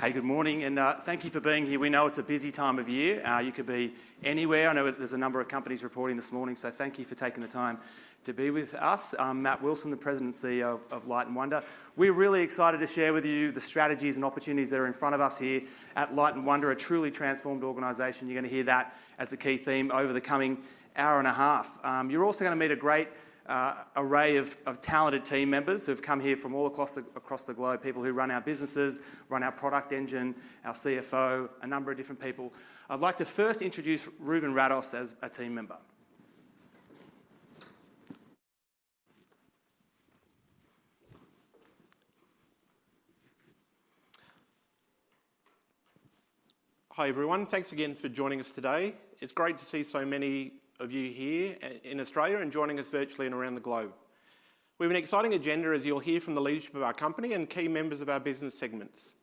Hey, good morning, and, thank you for being here. We know it's a busy time of year. You could be anywhere. I know there's a number of companies reporting this morning, so thank you for taking the time to be with us. I'm Matt Wilson, the President and CEO of Light & Wonder. We're really excited to share with you the strategies and opportunities that are in front of us here at Light & Wonder, a truly transformed organization. You're gonna hear that as a key theme over the coming hour and a half. You're also gonna meet a great array of talented team members who've come here from all across the globe, people who run our businesses, run our product engine, our CFO, a number of different people. I'd like to first introduce Uncertain as a team member. Hi, everyone. Thanks again for joining us today. It's great to see so many of you here in Australia and joining us virtually and around the globe. We have an exciting agenda, as you'll hear from the leadership of our company and key members of our business segments.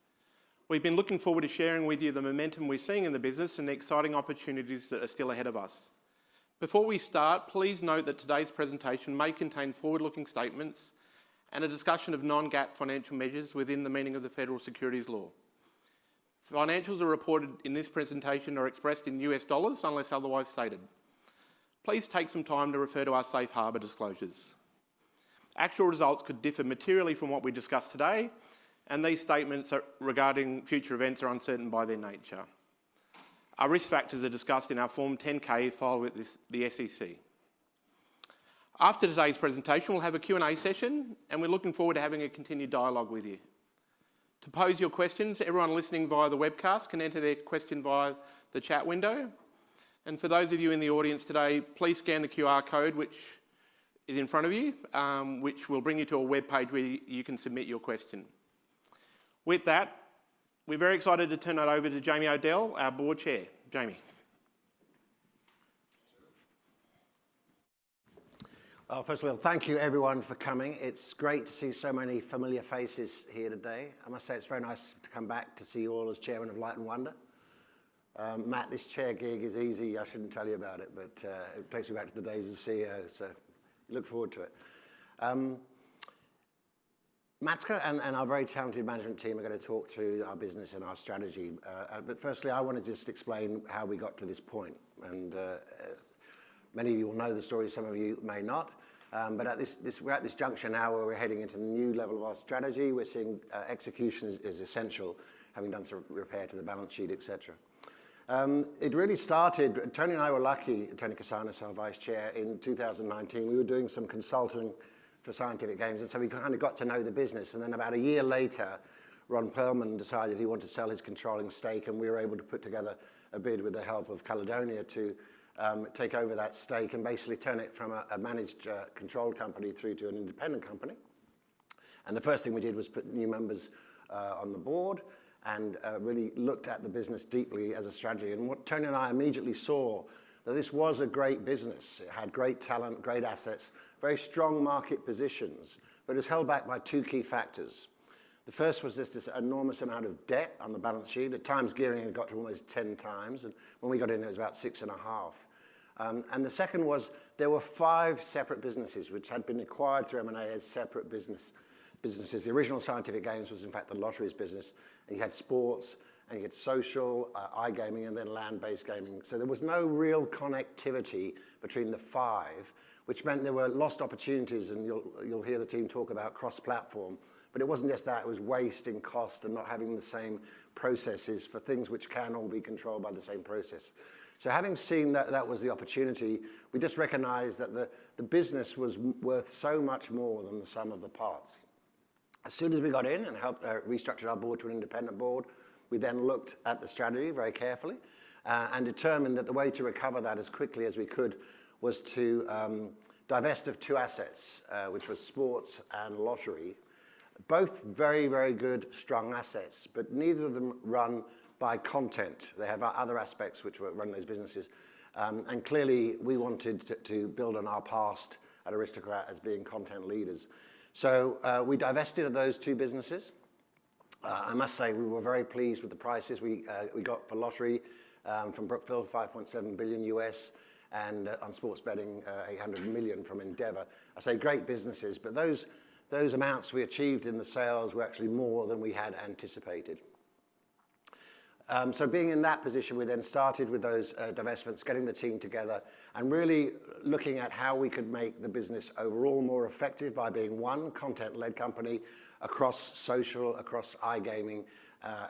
We've been looking forward to sharing with you the momentum we're seeing in the business and the exciting opportunities that are still ahead of us. Before we start, please note that today's presentation may contain forward-looking statements and a discussion of non-GAAP financial measures within the meaning of the federal securities law. Financials are reported in this presentation are expressed in US dollars, unless otherwise stated. Please take some time to refer to our safe harbor disclosures. Actual results could differ materially from what we discuss today, and these statements are regarding future events are uncertain by their nature. Our risk factors are discussed in our Form 10-K filed with the SEC. After today's presentation, we'll have a Q&A session, and we're looking forward to having a continued dialogue with you. To pose your questions, everyone listening via the webcast can enter their question via the chat window, and for those of you in the audience today, please scan the QR code, which is in front of you, which will bring you to a web page where you can submit your question. With that, we're very excited to turn it over to Jamie O'Dell, our board chair. Jamie? Well, first of all, thank you everyone for coming. It's great to see so many familiar faces here today. I must say it's very nice to come back to see you all as Chairman of Light & Wonder. Matt, this chair gig is easy. I shouldn't tell you about it, but it takes me back to the days as CEO, so look forward to it. Matt, and our very talented management team are gonna talk through our business and our strategy. But firstly, I wanna just explain how we got to this point, and many of you will know the story, some of you may not. But at this juncture now where we're heading into the new level of our strategy. We're seeing execution is essential, having done some repair to the balance sheet, et cetera. It really started. Toni and I were lucky, Toni Korsanos, our Vice Chair, in 2019, we were doing some consulting for Scientific Games, and so we kind of got to know the business. And then about a year later, Ron Perelman decided he wanted to sell his controlling stake, and we were able to put together a bid with the help of Caledonia to take over that stake and basically turn it from a managed controlled company through to an independent company. And the first thing we did was put new members on the board and really looked at the business deeply as a strategy. And what Toni and I immediately saw, that this was a great business. It had great talent, great assets, very strong market positions, but it was held back by two key factors. The first was just this enormous amount of debt on the balance sheet. At times, gearing had got to almost 10 times, and when we got in, it was about six and a half, and the second was there were five separate businesses which had been acquired through M&A as separate businesses. The original Scientific Games was in fact the lotteries business, and you had sports, and you had social, iGaming, and then land-based gaming. So there was no real connectivity between the five, which meant there were lost opportunities, and you'll hear the team talk about cross-platform. But it wasn't just that, it was waste and cost and not having the same processes for things which can all be controlled by the same process. So having seen that, that was the opportunity, we just recognized that the business was worth so much more than the sum of the parts. As soon as we got in and helped restructure our board to an independent board, we then looked at the strategy very carefully and determined that the way to recover that as quickly as we could was to divest of two assets, which was sports and lottery. Both very, very good, strong assets, but neither of them run by content. They have other aspects which run those businesses. And clearly, we wanted to build on our past at Aristocrat as being content leaders. So we divested of those two businesses. I must say we were very pleased with the prices we got for lottery from Brookfield, $5.7 billion, and on sports betting, $800 million from Endeavor. I say great businesses, but those amounts we achieved in the sales were actually more than we had anticipated. So being in that position, we then started with those divestments, getting the team together, and really looking at how we could make the business overall more effective by being one content-led company across social, across iGaming,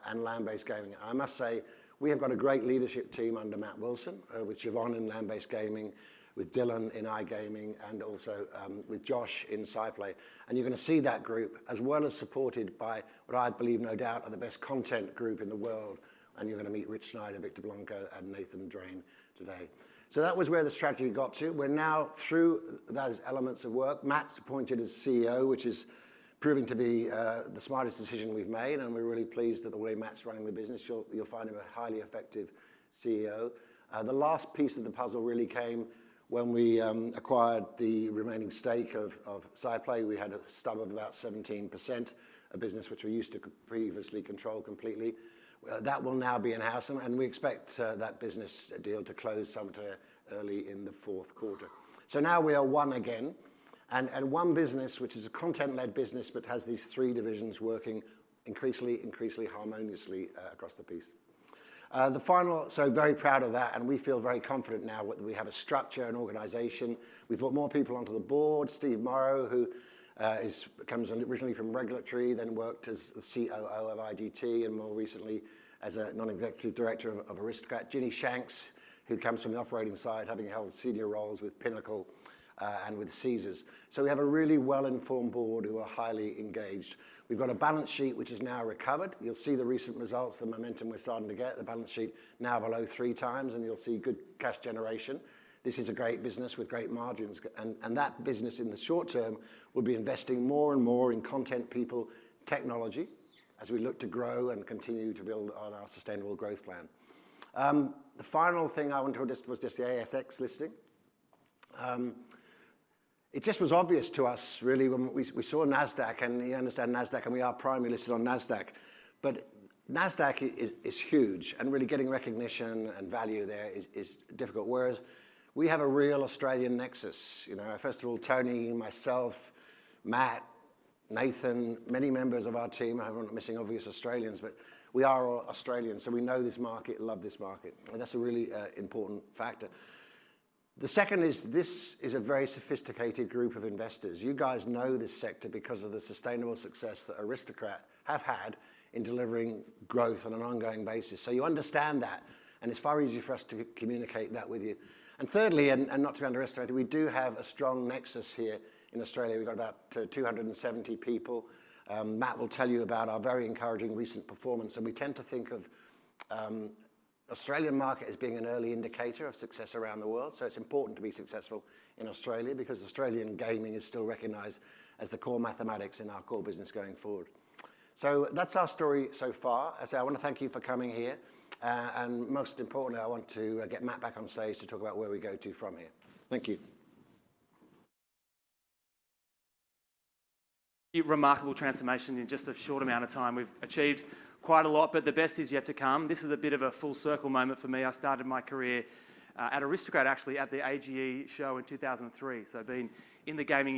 and land-based gaming. And I must say, we have got a great leadership team under Matt Wilson, with Siobhan in land-based gaming, with Dylan in iGaming, and also with Josh in SciPlay. And you're gonna see that group, as well as supported by what I believe, no doubt, are the best content group in the world, and you're gonna meet Rich Schneider, Victor Blanco, and Nathan Drane today. So that was where the strategy got to. We're now through those elements of work. Matt appointed as CEO, which is proving to be the smartest decision we've made, and we're really pleased with the way Matt running the business. You'll find him a highly effective CEO. The last piece of the puzzle really came when we acquired the remaining stake of SciPlay. We had a stub of about 17%, a business which we used to previously control completely. That will now be in-house, and we expect that business deal to close sometime early in the fourth quarter. So now we are one again. and one business, which is a content-led business, but has these three divisions working increasingly harmoniously across the piece. So very proud of that, and we feel very confident now that we have a structure and organization. We've brought more people onto the board. Stephen Morro, who comes originally from regulatory, then worked as the COO of IGT and more recently as a non-executive director of Aristocrat. Ginny Shanks, who comes from the operating side, having held senior roles with Pinnacle and with Caesars. So we have a really well-informed board who are highly engaged. We've got a balance sheet which is now recovered. You'll see the recent results, the momentum we're starting to get. The balance sheet now below three times, and you'll see good cash generation. This is a great business with great margins, and that business, in the short term, will be investing more and more in content, people, technology, as we look to grow and continue to build on our sustainable growth plan. The final thing I want to address was just the ASX listing. It just was obvious to us, really, when we saw Nasdaq, and you understand Nasdaq, and we are primarily listed on Nasdaq. But Nasdaq is huge, and really getting recognition and value there is difficult, whereas we have a real Australian nexus. You know, first of all, Toni, myself, Matt, Nathan, many members of our team, I'm not missing obvious Australians, but we are all Australian, so we know this market, love this market, and that's a really important factor. The second is this is a very sophisticated group of investors. You guys know this sector because of the sustainable success that Aristocrat have had in delivering growth on an ongoing basis, so you understand that, and it's far easier for us to communicate that with you. And thirdly, and not to be underestimated, we do have a strong nexus here in Australia. We've got about two hundred and seventy people. Matt will tell you about our very encouraging recent performance, and we tend to think of Australian market as being an early indicator of success around the world. So it's important to be successful in Australia because Australian gaming is still recognized as the core mathematics in our core business going forward. So that's our story so far. I say I want to thank you for coming here, and most importantly, I want to get Matt back on stage to talk about where we go to from here. Thank you.... remarkable transformation in just a short amount of time. We've achieved quite a lot, but the best is yet to come. This is a bit of a full circle moment for me. I started my career at Aristocrat, actually, at the AGE show in 2003, so I've been in the gaming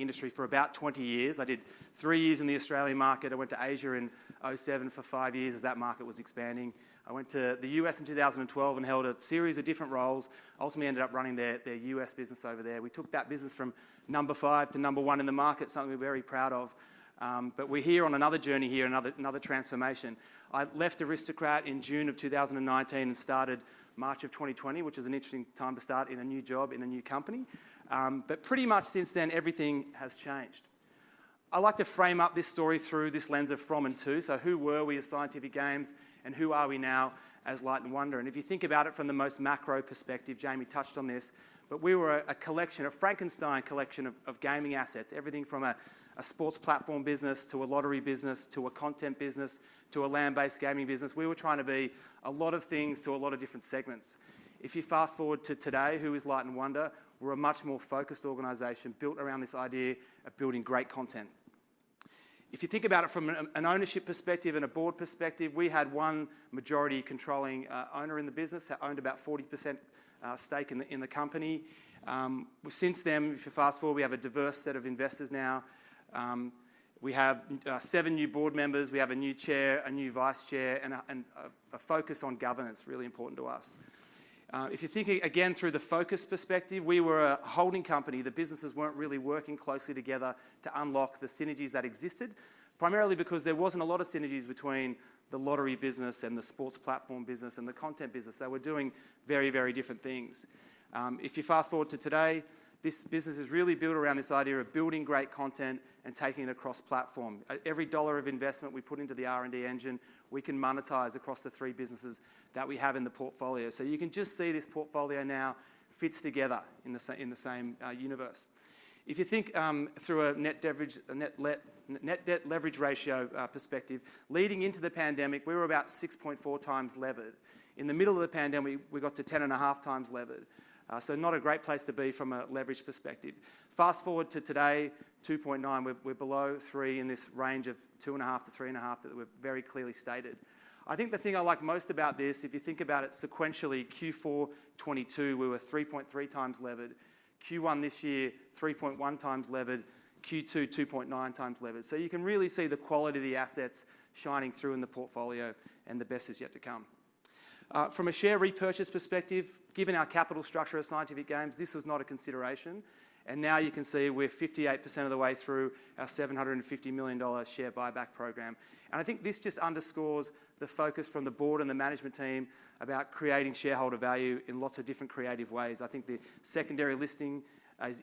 industry for about twenty years. I did three years in the Australian market. I went to Asia in 2007 for five years as that market was expanding. I went to the U.S. in 2012 and held a series of different roles, ultimately ended up running their U.S. business over there. We took that business from number five to number one in the market, something we're very proud of. But we're here on another journey here, another transformation. I left Aristocrat in June of 2019 and started March of 2020, which is an interesting time to start in a new job, in a new company. But pretty much since then, everything has changed. I'd like to frame up this story through this lens of from and to. So who were we as Scientific Games, and who are we now as Light & Wonder? And if you think about it from the most macro perspective, Jamie touched on this, but we were a collection, a Frankenstein collection of gaming assets. Everything from a sports platform business to a lottery business to a content business to a land-based gaming business. We were trying to be a lot of things to a lot of different segments. If you fast-forward to today, who is Light & Wonder? We're a much more focused organization built around this idea of building great content. If you think about it from an ownership perspective and a board perspective, we had one majority controlling owner in the business that owned about 40% stake in the company. Since then, if you fast-forward, we have a diverse set of investors now. We have seven new board members, we have a new chair, a new vice chair, and a focus on governance, really important to us. If you're thinking again through the focus perspective, we were a holding company. The businesses weren't really working closely together to unlock the synergies that existed, primarily because there wasn't a lot of synergies between the lottery business and the sports platform business and the content business. They were doing very, very different things. If you fast-forward to today, this business is really built around this idea of building great content and taking it across platform. Every dollar of investment we put into the R&D engine, we can monetize across the three businesses that we have in the portfolio. So you can just see this portfolio now fits together in the same universe. If you think through a net debt leverage ratio perspective, leading into the pandemic, we were about 6.4 times levered. In the middle of the pandemic, we got to 10.5 times levered. So not a great place to be from a leverage perspective. Fast-forward to today, 2.9, we're below three in this range of 2.5-3.5 that we've very clearly stated. I think the thing I like most about this, if you think about it sequentially, Q4 '22, we were 3.3 times levered. Q1 this year, 3.1 times levered. Q2, 2.9 times levered. So you can really see the quality of the assets shining through in the portfolio, and the best is yet to come. From a share repurchase perspective, given our capital structure as Scientific Games, this was not a consideration, and now you can see we're 58% of the way through our $750 million share buyback program. And I think this just underscores the focus from the board and the management team about creating shareholder value in lots of different creative ways. I think the secondary listing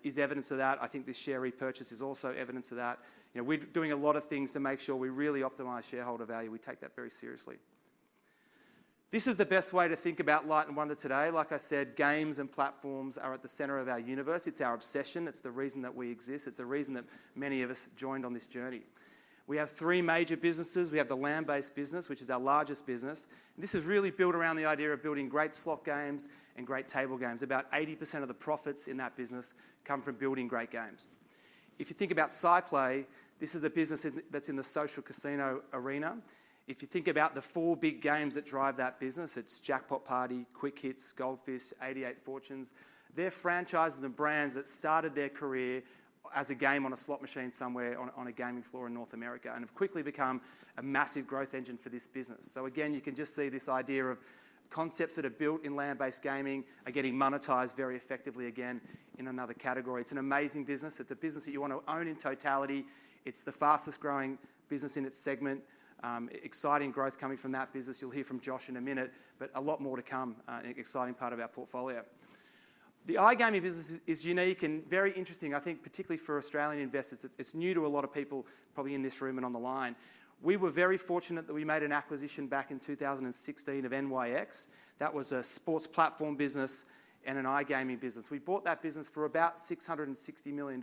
is evidence of that. I think this share repurchase is also evidence of that. You know, we're doing a lot of things to make sure we really optimize shareholder value. We take that very seriously. This is the best way to think about Light & Wonder today. Like I said, games and platforms are at the center of our universe. It's our obsession. It's the reason that we exist. It's the reason that many of us joined on this journey. We have three major businesses. We have the land-based business, which is our largest business. This is really built around the idea of building great slot games and great table games. About 80% of the profits in that business come from building great games. If you think about SciPlay, this is a business that's in the social casino arena. If you think about the four big games that drive that business, it's Jackpot Party, Quick Hits, Gold Fish, 88 Fortunes. They're franchises and brands that started their career as a game on a slot machine somewhere on a gaming floor in North America, and have quickly become a massive growth engine for this business. So again, you can just see this idea of concepts that are built in land-based gaming are getting monetized very effectively again in another category. It's an amazing business. It's a business that you want to own in totality. It's the fastest-growing business in its segment. Exciting growth coming from that business. You'll hear from Josh in a minute, but a lot more to come, an exciting part of our portfolio. The iGaming business is unique and very interesting, I think particularly for Australian investors. It's new to a lot of people, probably in this room and on the line. We were very fortunate that we made an acquisition back in two thousand and sixteen of NYX. That was a sports platform business and an iGaming business. We bought that business for about $660 million.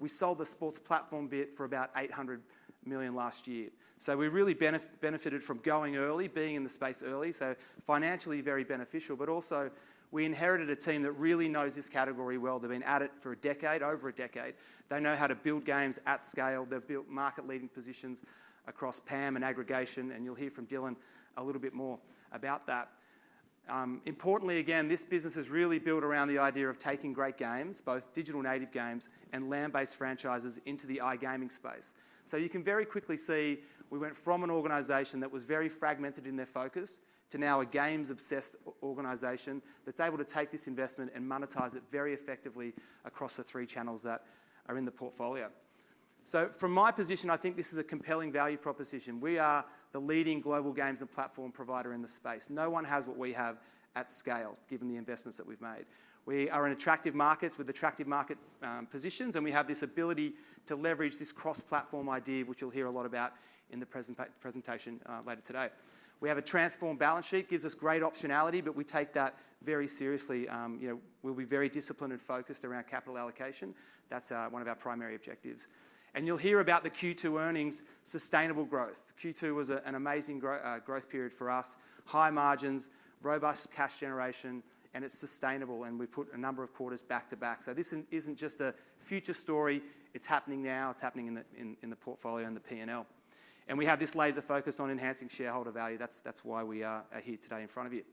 We sold the sports platform bit for about $800 million last year. So we really benefited from going early, being in the space early, so financially very beneficial, but also, we inherited a team that really knows this category well. They've been at it for a decade, over a decade. They know how to build games at scale. They've built market-leading positions across PAM and aggregation, and you'll hear from Dylan a little bit more about that. Importantly, again, this business is really built around the idea of taking great games, both digital native games and land-based franchises, into the iGaming space. So you can very quickly see we went from an organization that was very fragmented in their focus to now a games-obsessed organization that's able to take this investment and monetize it very effectively across the three channels that are in the portfolio. So from my position, I think this is a compelling value proposition. We are the leading global games and platform provider in the space. No one has what we have at scale, given the investments that we've made. We are in attractive markets with attractive market positions, and we have this ability to leverage this cross-platform idea, which you'll hear a lot about in the presentation later today. We have a transformed balance sheet, gives us great optionality, but we take that very seriously. You know, we'll be very disciplined and focused around capital allocation. That's one of our primary objectives. You'll hear about the Q2 earnings, sustainable growth. Q2 was an amazing growth period for us. High margins, robust cash generation, and it's sustainable, and we've put a number of quarters back to back. This isn't just a future story, it's happening now. It's happening in the portfolio and the PNL. We have this laser focus on enhancing shareholder value. That's why we are here today in front of you.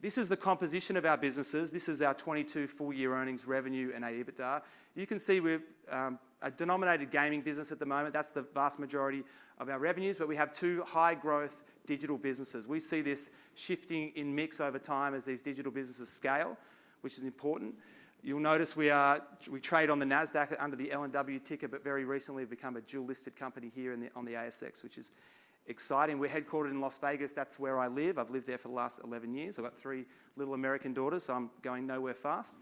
This is the composition of our businesses. This is our 2022 full-year earnings revenue and EBITDA. You can see we're a denominated gaming business at the moment. That's the vast majority of our revenues, but we have two high-growth digital businesses. We see this shifting in mix over time as these digital businesses scale, which is important. You'll notice we trade on the NASDAQ under the LNW ticker, but very recently have become a dual-listed company here on the ASX, which is exciting. We're headquartered in Las Vegas. That's where I live. I've lived there for the last 11 years. I've got three little American daughters, so I'm going nowhere fast.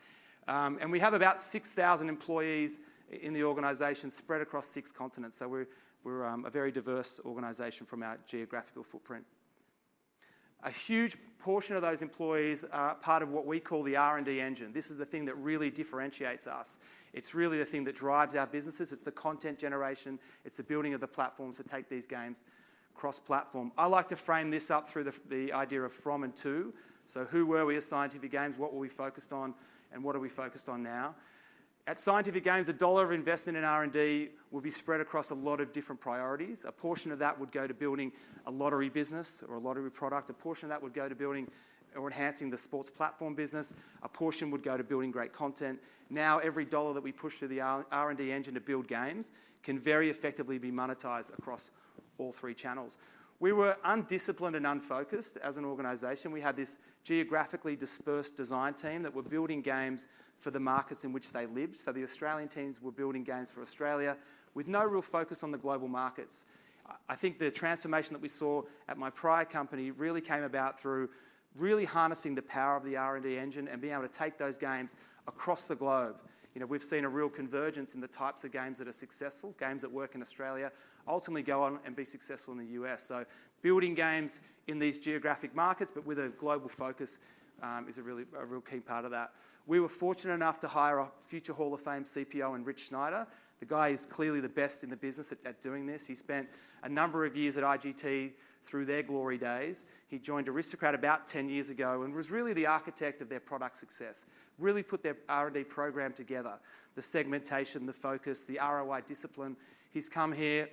And we have about 6,000 employees in the organization spread across six continents, so we're a very diverse organization from our geographical footprint. A huge portion of those employees are part of what we call the R&D engine. This is the thing that really differentiates us. It's really the thing that drives our businesses. It's the content generation. It's the building of the platforms to take these games cross-platform. I like to frame this up through the idea of from and to. So who were we as Scientific Games? What were we focused on, and what are we focused on now? At Scientific Games, a dollar of investment in R&D would be spread across a lot of different priorities. A portion of that would go to building a lottery business or a lottery product. A portion of that would go to building or enhancing the sports platform business. A portion would go to building great content. Now, every dollar that we push through the R&D engine to build games can very effectively be monetized across all three channels. We were undisciplined and unfocused as an organization. We had this geographically dispersed design team that were building games for the markets in which they lived. So the Australian teams were building games for Australia with no real focus on the global markets. I think the transformation that we saw at my prior company really came about through really harnessing the power of the R&D engine and being able to take those games across the globe. You know, we've seen a real convergence in the types of games that are successful, games that work in Australia, ultimately go on and be successful in the U.S. So building games in these geographic markets, but with a global focus, is a really, a real key part of that. We were fortunate enough to hire a future Hall of Fame CPO in Rich Schneider. The guy is clearly the best in the business at doing this. He spent a number of years at IGT through their glory days. He joined Aristocrat about 10 years ago and was really the architect of their product success, really put their R&D program together, the segmentation, the focus, the ROI discipline. He's come here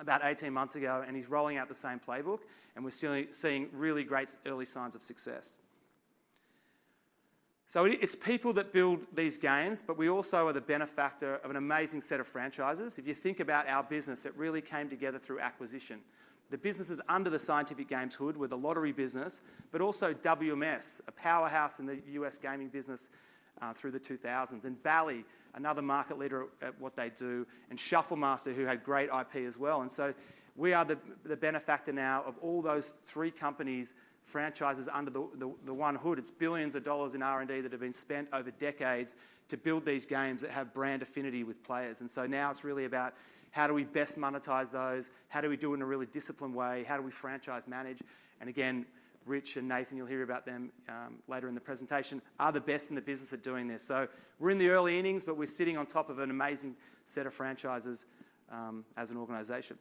about 18 months ago, and he's rolling out the same playbook, and we're seeing really great early signs of success. So it, it's people that build these games, but we also are the benefactor of an amazing set of franchises. If you think about our business, it really came together through acquisition. The businesses under the Scientific Games hood were the lottery business, but also WMS, a powerhouse in the U.S. gaming business through the 2000s, and Bally, another market leader at what they do, and Shuffle Master, who had great IP as well. And so we are the benefactor now of all those three companies' franchises under the one hood. It's billions of dollars in R&D that have been spent over decades to build these games that have brand affinity with players. And so now it's really about how do we best monetize those? How do we do it in a really disciplined way? How do we franchise manage? And again, Rich and Nathan, you'll hear about them, later in the presentation, are the best in the business at doing this. So we're in the early innings, but we're sitting on top of an amazing set of franchises, as an organization.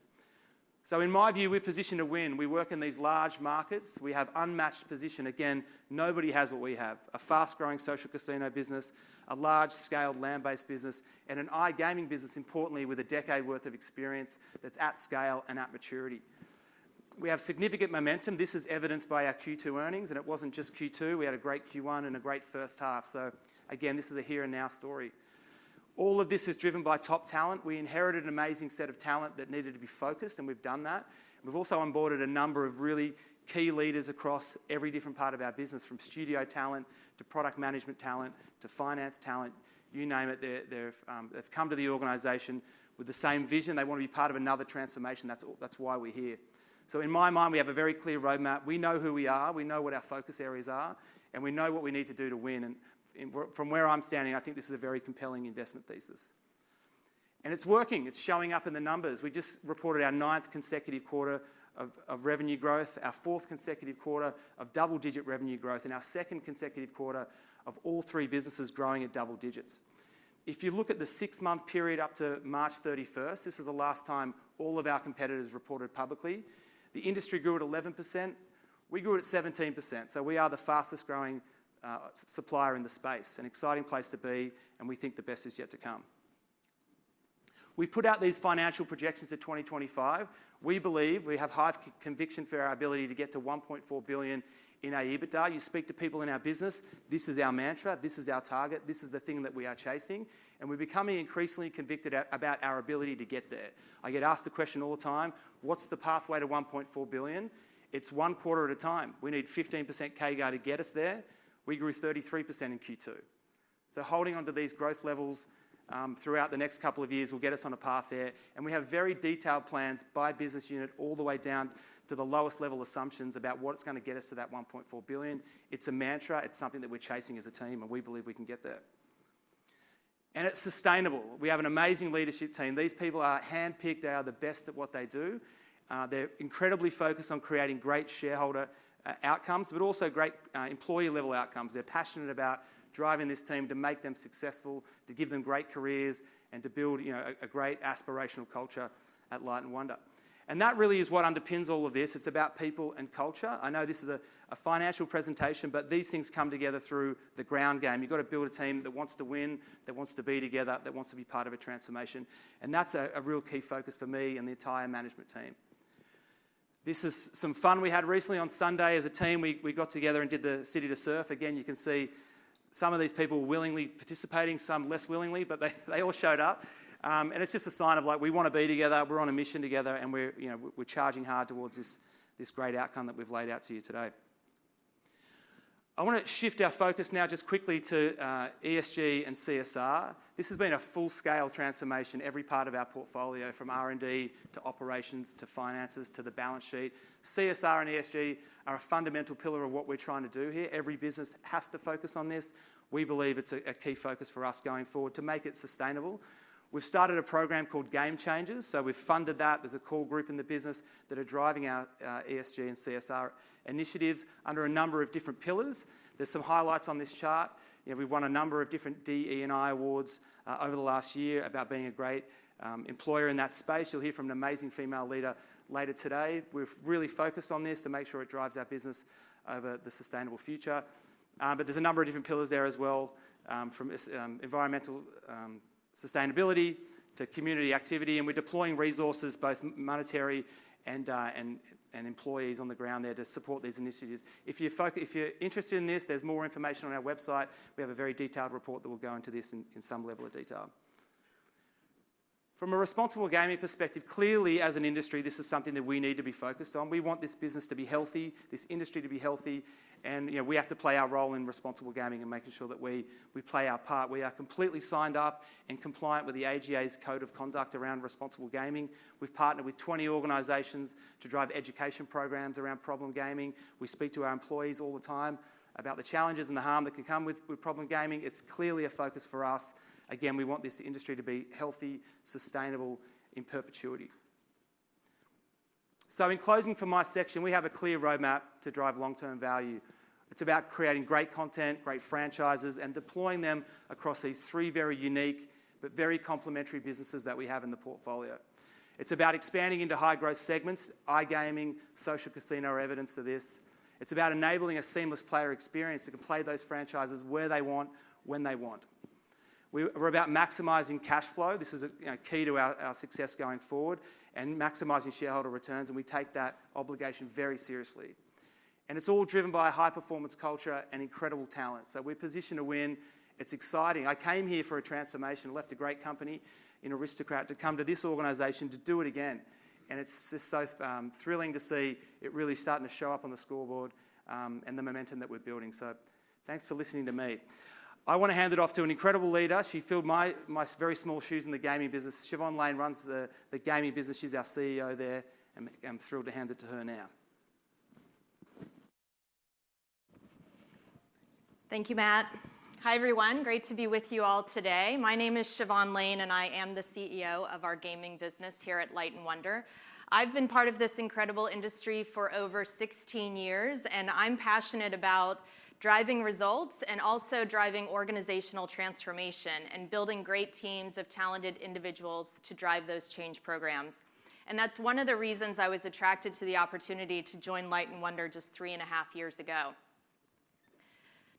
So in my view, we're positioned to win. We work in these large markets. We have unmatched position. Again, nobody has what we have: a fast-growing social casino business, a large-scale land-based business, and an iGaming business, importantly, with a decade worth of experience that's at scale and at maturity. We have significant momentum. This is evidenced by our Q2 earnings, and it wasn't just Q2. We had a great Q1 and a great first half. So again, this is a here-and-now story. All of this is driven by top talent. We inherited an amazing set of talent that needed to be focused, and we've done that. We've also onboarded a number of really key leaders across every different part of our business, from studio talent to product management talent to finance talent. You name it, they're, they've come to the organization with the same vision. They want to be part of another transformation. That's all, that's why we're here. So in my mind, we have a very clear roadmap. We know who we are, we know what our focus areas are, and we know what we need to do to win, and we're from where I'm standing, I think this is a very compelling investment thesis. And it's working. It's showing up in the numbers. We just reported our ninth consecutive quarter of revenue growth, our fourth consecutive quarter of double-digit revenue growth, and our second consecutive quarter of all three businesses growing at double digits. If you look at the six-month period up to March thirty-first, this is the last time all of our competitors reported publicly, the industry grew at 11%. We grew at 17%, so we are the fastest-growing supplier in the space, an exciting place to be, and we think the best is yet to come. We put out these financial projections to 2025. We believe we have high conviction for our ability to get to $1.4 billion in our EBITDA. You speak to people in our business, this is our mantra, this is our target, this is the thing that we are chasing, and we're becoming increasingly convicted about our ability to get there. I get asked the question all the time: What's the pathway to $1.4 billion? It's one quarter at a time. We need 15% CAGR to get us there. We grew 33% in Q2. So holding on to these growth levels throughout the next couple of years will get us on a path there, and we have very detailed plans by business unit, all the way down to the lowest-level assumptions about what it's gonna get us to that $1.4 billion. It's a mantra. It's something that we're chasing as a team, and we believe we can get there. And it's sustainable. We have an amazing leadership team. These people are handpicked. They are the best at what they do. They're incredibly focused on creating great shareholder outcomes, but also great employee-level outcomes. They're passionate about driving this team to make them successful, to give them great careers, and to build, you know, a great aspirational culture at Light & Wonder. And that really is what underpins all of this. It's about people and culture. I know this is a financial presentation, but these things come together through the ground game. You've got to build a team that wants to win, that wants to be together, that wants to be part of a transformation, and that's a real key focus for me and the entire management team. This is some fun we had recently on Sunday as a team. We got together and did the City2Surf. Again, you can see some of these people willingly participating, some less willingly, but they all showed up. And it's just a sign of, like, we wanna be together, we're on a mission together, and we're, you know, charging hard towards this great outcome that we've laid out to you today. I wanna shift our focus now just quickly to ESG and CSR. This has been a full-scale transformation. Every part of our portfolio, from R&D to operations to finances to the balance sheet, CSR and ESG are a fundamental pillar of what we're trying to do here. Every business has to focus on this. We believe it's a key focus for us going forward to make it sustainable. We've started a program called Game Changers, so we've funded that. There's a core group in the business that are driving our ESG and CSR initiatives under a number of different pillars. There's some highlights on this chart. You know, we've won a number of different DE&I awards over the last year about being a great employer in that space. You'll hear from an amazing female leader later today. We've really focused on this to make sure it drives our business over the sustainable future. But there's a number of different pillars there as well, from environmental sustainability to community activity, and we're deploying resources, both monetary and employees on the ground there, to support these initiatives. If you're interested in this, there's more information on our website. We have a very detailed report that will go into this in some level of detail. From a responsible gaming perspective, clearly, as an industry, this is something that we need to be focused on. We want this business to be healthy, this industry to be healthy, and, you know, we have to play our role in responsible gaming and making sure that we play our part. We are completely signed up and compliant with the AGA's code of conduct around responsible gaming. We've partnered with twenty organizations to drive education programs around problem gaming. We speak to our employees all the time about the challenges and the harm that can come with problem gaming. It's clearly a focus for us. Again, we want this industry to be healthy, sustainable in perpetuity. So in closing for my section, we have a clear roadmap to drive long-term value. It's about creating great content, great franchises, and deploying them across these three very unique but very complementary businesses that we have in the portfolio. It's about expanding into high-growth segments, iGaming, social casino are evidence to this. It's about enabling a seamless player experience that can play those franchises where they want, when they want. We're about maximizing cash flow, this is you know, key to our success going forward, and maximizing shareholder returns, and we take that obligation very seriously. It's all driven by a high-performance culture and incredible talent. We're positioned to win. It's exciting. I came here for a transformation. Left a great company in Aristocrat to come to this organization to do it again, and it's just so thrilling to see it really starting to show up on the scoreboard, and the momentum that we're building. Thanks for listening to me. I want to hand it off to an incredible leader. She filled my very small shoes in the gaming business. Siobhan Lane runs the gaming business. She's our CEO there, and I'm thrilled to hand it to her now. Thank you, Matt. Hi, everyone. Great to be with you all today. My name is Siobhan Lane, and I am the CEO of our gaming business here at Light & Wonder. I've been part of this incredible industry for over sixteen years, and I'm passionate about driving results and also driving organizational transformation and building great teams of talented individuals to drive those change programs. That's one of the reasons I was attracted to the opportunity to join Light & Wonder just three and a half years ago.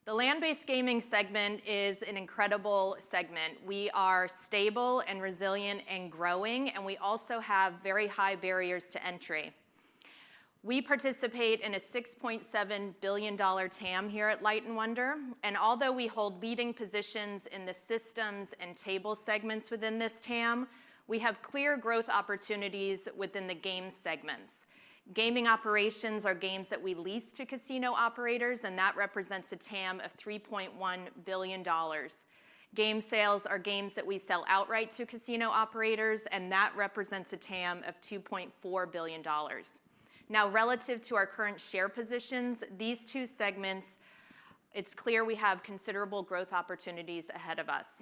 The land-based gaming segment is an incredible segment. We are stable and resilient and growing, and we also have very high barriers to entry. We participate in a $6.7 billion TAM here at Light & Wonder, and although we hold leading positions in the systems and table segments within this TAM, we have clear growth opportunities within the game segments. Gaming operations are games that we lease to casino operators, and that represents a TAM of $3.1 billion. Game sales are games that we sell outright to casino operators, and that represents a TAM of $2.4 billion. Now, relative to our current share positions, these two segments, it's clear we have considerable growth opportunities ahead of us.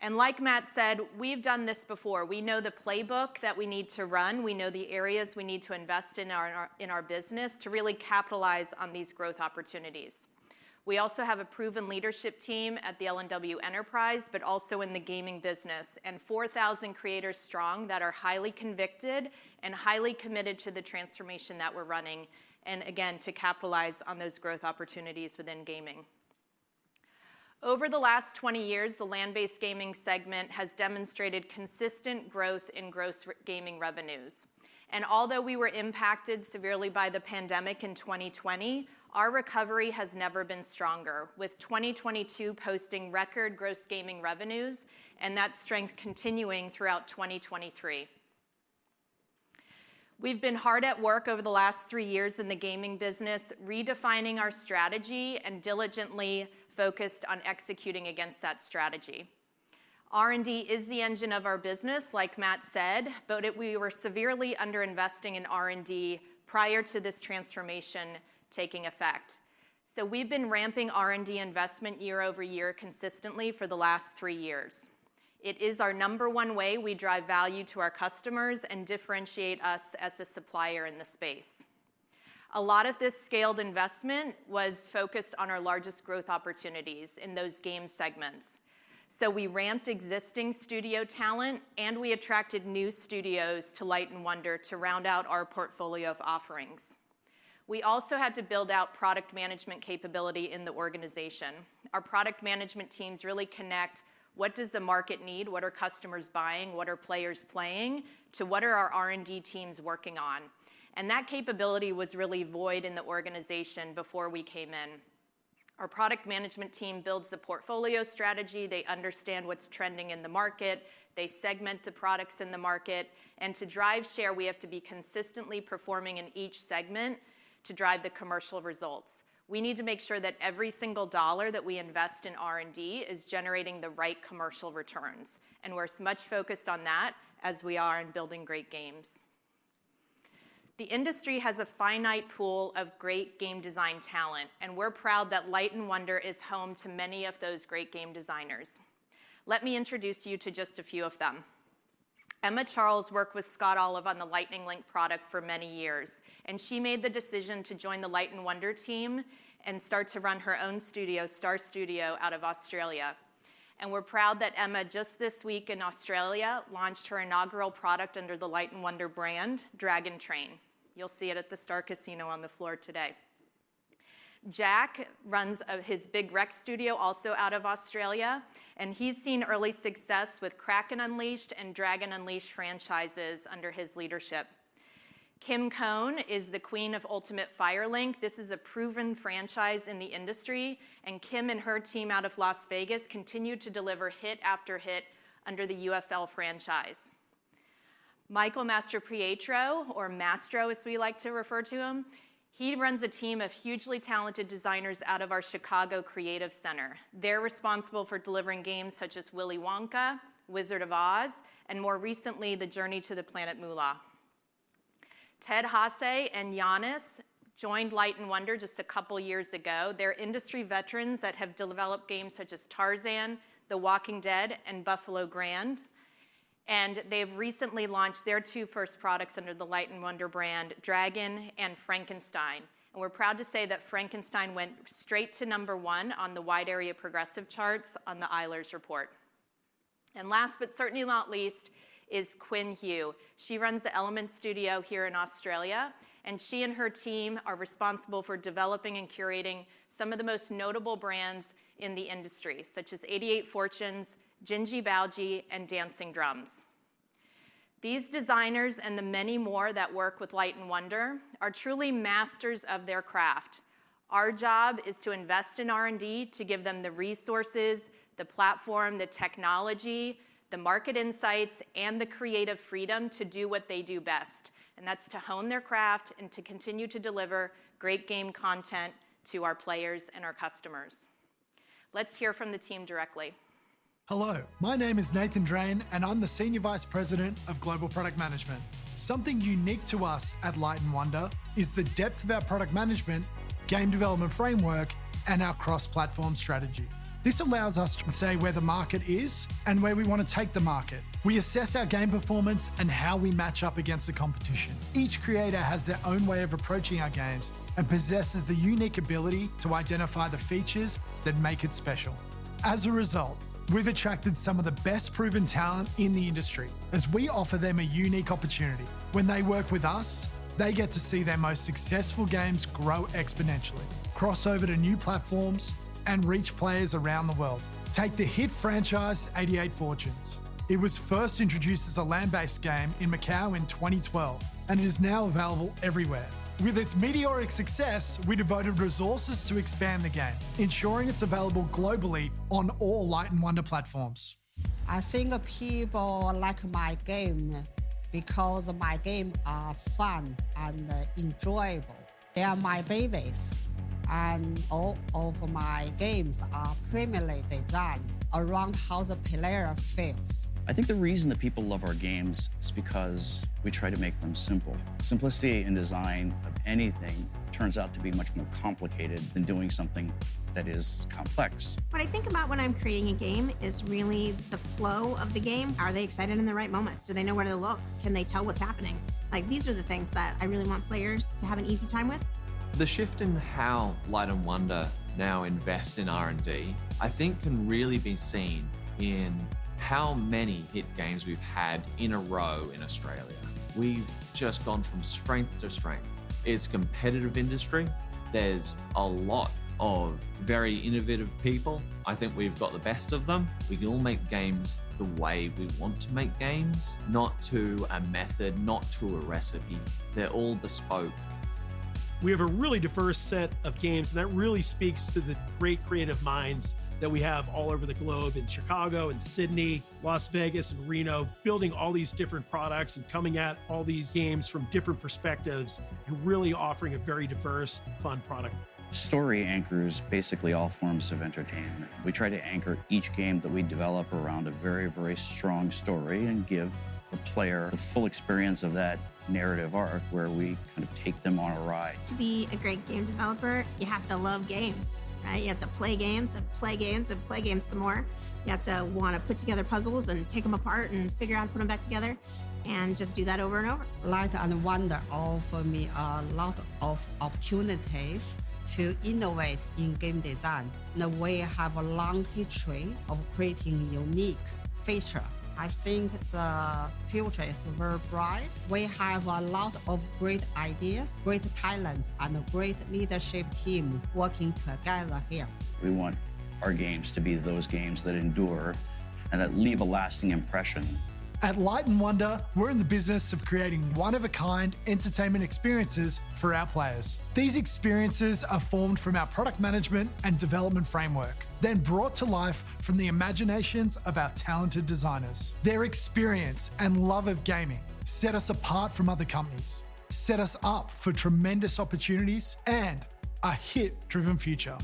And like Matt said, we've done this before. We know the playbook that we need to run. We know the areas we need to invest in our business to really capitalize on these growth opportunities. We also have a proven leadership team at the LNW Enterprise, but also in the gaming business, and 4,000 creators strong that are highly convicted and highly committed to the transformation that we're running, and again, to capitalize on those growth opportunities within gaming. Over the last 20 years, the land-based gaming segment has demonstrated consistent growth in gross gaming revenues. Although we were impacted severely by the pandemic in 2020, our recovery has never been stronger, with 2022 posting record gross gaming revenues and that strength continuing throughout 2023. We've been hard at work over the last 3 years in the gaming business, redefining our strategy and diligently focused on executing against that strategy. R&D is the engine of our business, like Matt said, but we were severely under-investing in R&D prior to this transformation taking effect. So we've been ramping R&D investment year over year consistently for the last three years. It is our number one way we drive value to our customers and differentiate us as a supplier in the space. A lot of this scaled investment was focused on our largest growth opportunities in those game segments. So we ramped existing studio talent, and we attracted new studios to Light & Wonder to round out our portfolio of offerings. We also had to build out product management capability in the organization. Our product management teams really connect: What does the market need? What are customers buying? What are players playing? To what are our R&D teams working on? And that capability was really void in the organization before we came in. Our product management team builds the portfolio strategy. They understand what's trending in the market. They segment the products in the market, and to drive share, we have to be consistently performing in each segment to drive the commercial results. We need to make sure that every single dollar that we invest in R&D is generating the right commercial returns, and we're as much focused on that as we are in building great games. The industry has a finite pool of great game design talent, and we're proud that Light & Wonder is home to many of those great game designers. Let me introduce you to just a few of them. Emma Charles worked with Scott Olive on the Lightning Link product for many years, and she made the decision to join the Light & Wonder team and start to run her own studio, Star Studio, out of Australia. We're proud that Emma, just this week in Australia, launched her inaugural product under the Light & Wonder brand, Dragon Train. You'll see it at the Star Casino on the floor today. Jack runs his Big Rex Studio, also out of Australia, and he's seen early success with Kraken Unleashed and Dragon Unleashed franchises under his leadership. Kim Cohn is the queen of Ultimate Fire Link. This is a proven franchise in the industry, and Kim and her team out of Las Vegas continue to deliver hit after hit under the UFL franchise. Michael Mastropietro, or Mastro, as we like to refer to him, runs a team of hugely talented designers out of our Chicago creative center. They're responsible for delivering games such as Willy Wonka, Wizard of Oz, and more recently, Journey to the Planet Moolah. Ted Hase and Yannis joined Light & Wonder just a couple years ago. They're industry veterans that have developed games such as Tarzan, The Walking Dead, and Buffalo Grand, and they've recently launched their two first products under the Light & Wonder brand, Dragon and Frankenstein, and we're proud to say that Frankenstein went straight to number one on the wide area progressive charts on the Eilers report. Last, but certainly not least, is Quynh Huynh. She runs the Elements Studio here in Australia, and she and her team are responsible for developing and curating some of the most notable brands in the industry, such as 88 Fortunes, Jin Ji Bao Xi, and Dancing Drums. These designers and the many more that work with Light & Wonder are truly masters of their craft. Our job is to invest in R&D, to give them the resources, the platform, the technology, the market insights, and the creative freedom to do what they do best, and that's to hone their craft and to continue to deliver great game content to our players and our customers. Let's hear from the team directly. Hello, my name is Nathan Drane, and I'm the Senior Vice President of Global Product Management. Something unique to us at Light & Wonder is the depth of our product management, game development framework, and our cross-platform strategy. This allows us to say where the market is and where we want to take the market. We assess our game performance and how we match up against the competition. Each creator has their own way of approaching our games and possesses the unique ability to identify the features that make it special. As a result, we've attracted some of the best proven talent in the industry, as we offer them a unique opportunity. When they work with us. They get to see their most successful games grow exponentially, cross over to new platforms, and reach players around the world. Take the hit franchise, 88 Fortunes. It was first introduced as a land-based game in Macau in 2012, and it is now available everywhere. With its meteoric success, we devoted resources to expand the game, ensuring it's available globally on all Light & Wonder platforms. I think people like my game because my game are fun and enjoyable. They are my babies, and all of my games are primarily designed around how the player feels. I think the reason that people love our games is because we try to make them simple. Simplicity in design of anything turns out to be much more complicated than doing something that is complex. What I think about when I'm creating a game is really the flow of the game. Are they excited in the right moments? Do they know where to look? Can they tell what's happening? Like, these are the things that I really want players to have an easy time with. The shift in how Light & Wonder now invests in R&D, I think, can really be seen in how many hit games we've had in a row in Australia. We've just gone from strength to strength. It's a competitive industry. There's a lot of very innovative people. I think we've got the best of them. We can all make games the way we want to make games, not to a method, not to a recipe. They're all bespoke. We have a really diverse set of games, and that really speaks to the great creative minds that we have all over the globe, in Chicago, in Sydney, Las Vegas, and Reno, building all these different products and coming at all these games from different perspectives and really offering a very diverse, fun product. Story anchors basically all forms of entertainment. We try to anchor each game that we develop around a very, very strong story and give the player the full experience of that narrative arc, where we kind of take them on a ride. To be a great game developer, you have to love games, right? You have to play games, and play games, and play games some more. You have to wanna put together puzzles and take them apart and figure out how to put them back together, and just do that over and over. Light & Wonder offers me a lot of opportunities to innovate in game design, and we have a long history of creating unique features. I think the future is very bright. We have a lot of great ideas, great talents, and a great leadership team working together here. We want our games to be those games that endure and that leave a lasting impression. At Light & Wonder, we're in the business of creating one-of-a-kind entertainment experiences for our players. These experiences are formed from our product management and development framework, then brought to life from the imaginations of our talented designers. Their experience and love of gaming set us apart from other companies, set us up for tremendous opportunities, and a hit-driven future.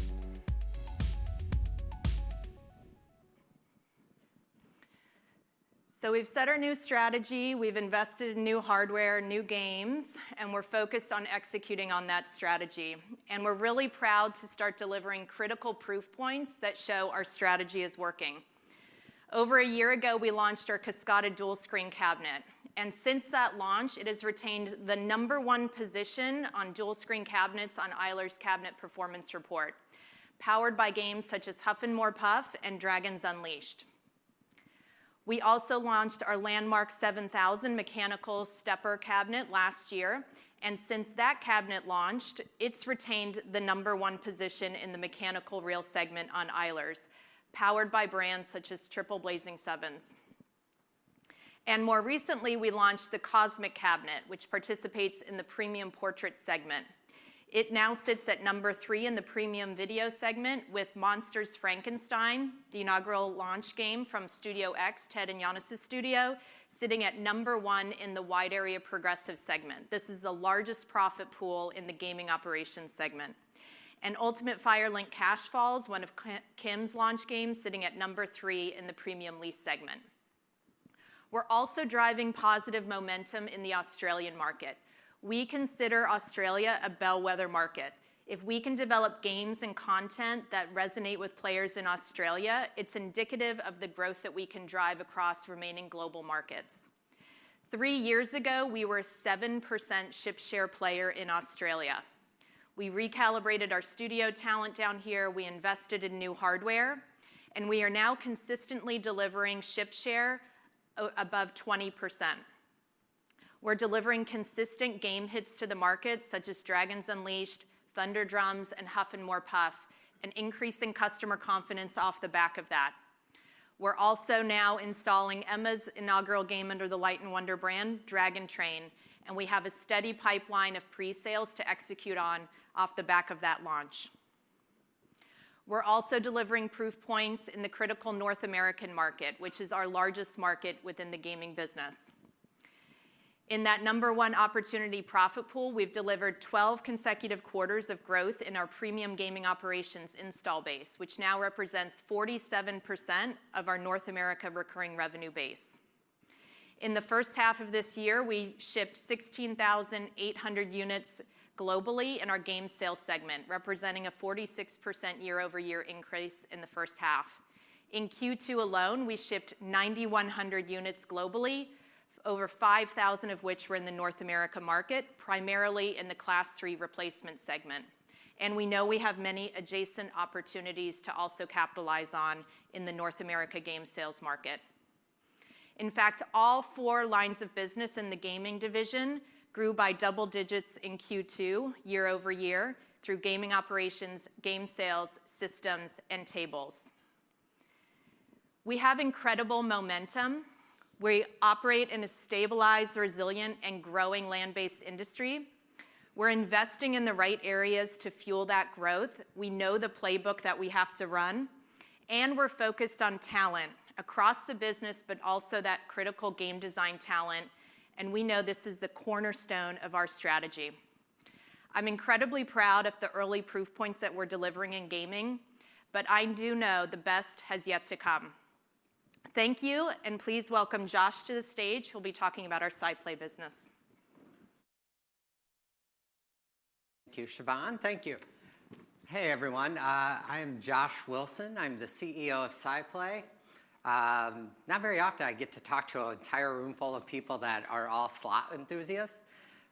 So we've set our new strategy, we've invested in new hardware, new games, and we're focused on executing on that strategy. And we're really proud to start delivering critical proof points that show our strategy is working. Over a year ago, we launched our Kascada dual-screen cabinet, and since that launch, it has retained the number one position on dual-screen cabinets on Eilers' Cabinet Performance Report, powered by games such as Huff N' More Puff and Dragon Unleashed. We also launched our Landmark 7000 mechanical stepper cabinet last year, and since that cabinet launched, it's retained the number one position in the mechanical reel segment on Eilers, powered by brands such as Triple Blazing 7s. And more recently, we launched the COSMIC cabinet, which participates in the premium portrait segment. It now sits at number three in the premium video segment with Monsters: Frankenstein, the inaugural launch game from Studio X, Ted and Yannis' studio, sitting at number one in the wide area progressive segment. This is the largest profit pool in the gaming operations segment. And Ultimate Fire Link, Cash Falls, one of Kim's launch games, sitting at number three in the premium lease segment. We're also driving positive momentum in the Australian market. We consider Australia a bellwether market. If we can develop games and content that resonate with players in Australia, it's indicative of the growth that we can drive across remaining global markets. Three years ago, we were a 7% ship share player in Australia. We recalibrated our studio talent down here, we invested in new hardware, and we are now consistently delivering ship share above 20%. We're delivering consistent game hits to the market, such as Dragon Unleashed, Thunder Drums, and Huff N' More Puff, and increasing customer confidence off the back of that. We're also now installing Emma's inaugural game under the Light & Wonder brand, Dragon Train, and we have a steady pipeline of pre-sales to execute on off the back of that launch. We're also delivering proof points in the critical North American market, which is our largest market within the gaming business. In that number one opportunity profit pool, we've delivered 12 consecutive quarters of growth in our premium gaming operations install base, which now represents 47% of our North America recurring revenue base. In the first half of this year, we shipped 16,800 units globally in our game sales segment, representing a 46% year-over-year increase in the first half. In Q2 alone, we shipped 9,100 units globally, over 5,000 of which were in the North America market, primarily in the Class III replacement segment, and we know we have many adjacent opportunities to also capitalize on in the North America game sales market. In fact, all four lines of business in the gaming division grew by double digits in Q2 year over year through gaming operations, game sales, systems, and tables. We have incredible momentum. We operate in a stabilized, resilient, and growing land-based industry. We're investing in the right areas to fuel that growth. We know the playbook that we have to run, and we're focused on talent across the business, but also that critical game design talent, and we know this is the cornerstone of our strategy. I'm incredibly proud of the early proof points that we're delivering in gaming, but I do know the best has yet to come. Thank you, and please welcome Josh to the stage, who'll be talking about our SciPlay business. Thank you, Siobhan. Thank you. Hey, everyone. I am Josh Wilson. I'm the CEO of SciPlay. Not very often I get to talk to an entire room full of people that are all slot enthusiasts.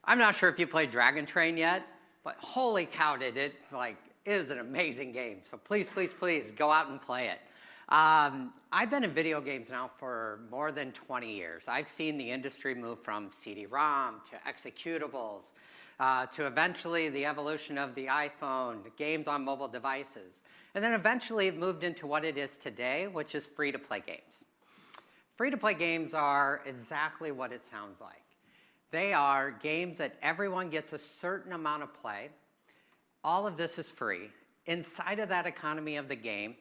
I'm not sure if you played Dragon Train yet, but holy cow, did it like, it is an amazing game! So please, please, please, go out and play it. I've been in video games now for more than twenty years. I've seen the industry move from CD-ROM to executables, to eventually the evolution of the iPhone, to games on mobile devices, and then eventually it moved into what it is today, which is free-to-play games. Free-to-play games are exactly what it sounds like. They are games that everyone gets a certain amount of play. All of this is free. Inside of that economy of the game,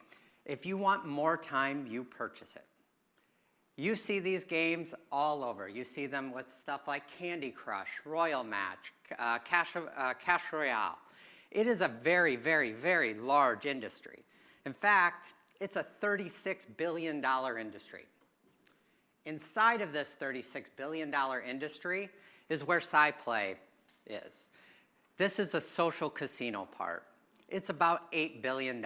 if you want more time, you purchase it. You see these games all over. You see them with stuff like Candy Crush, Royal Match, Clash Royale. It is a very, very, very large industry. In fact, it's a $36 billion industry. Inside of this $36 billion industry is where SciPlay is. This is a social casino part. It's about $8 billion.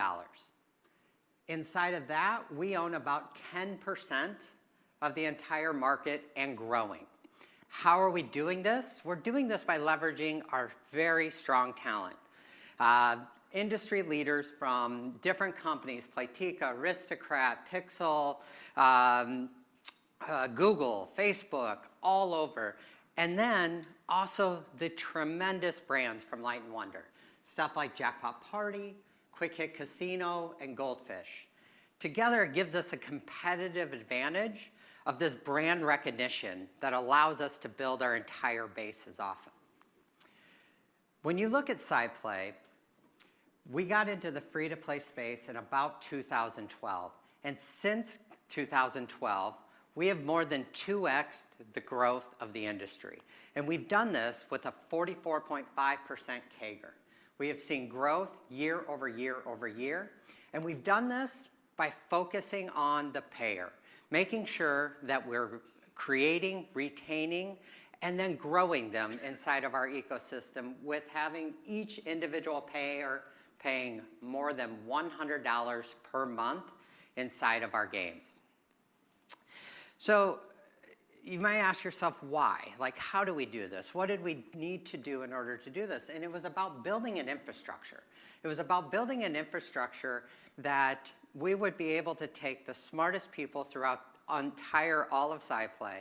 Inside of that, we own about 10% of the entire market and growing. How are we doing this? We're doing this by leveraging our very strong talent. Industry leaders from different companies, Playtika, Aristocrat, Pixel, Google, Facebook, all over, and then also the tremendous brands from Light & Wonder. Stuff like Jackpot Party, Quick Hit Casino, and Gold Fish. Together, it gives us a competitive advantage of this brand recognition that allows us to build our entire bases off it. When you look at SciPlay, we got into the free-to-play space in about 2012, and since 2012, we have more than two X'd the growth of the industry, and we've done this with a 44.5% CAGR. We have seen growth year over year over year, and we've done this by focusing on the payer, making sure that we're creating, retaining, and then growing them inside of our ecosystem, with having each individual payer paying more than $100 per month inside of our games. So you might ask yourself, why? Like, how do we do this? What did we need to do in order to do this? And it was about building an infrastructure. It was about building an infrastructure that we would be able to take the smartest people throughout all of SciPlay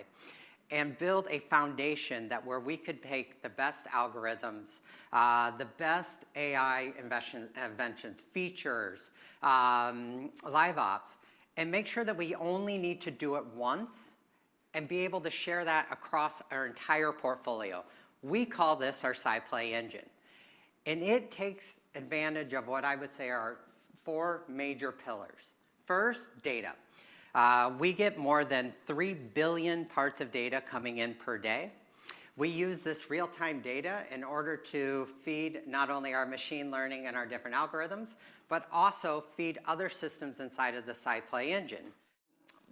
and build a foundation, where we could take the best algorithms, the best AI inventions, features, Live Ops, and make sure that we only need to do it once and be able to share that across our entire portfolio. We call this our SciPlay engine, and it takes advantage of what I would say are four major pillars. First, data. We get more than three billion parts of data coming in per day. We use this real-time data in order to feed not only our machine learning and our different algorithms, but also feed other systems inside of the SciPlay engine,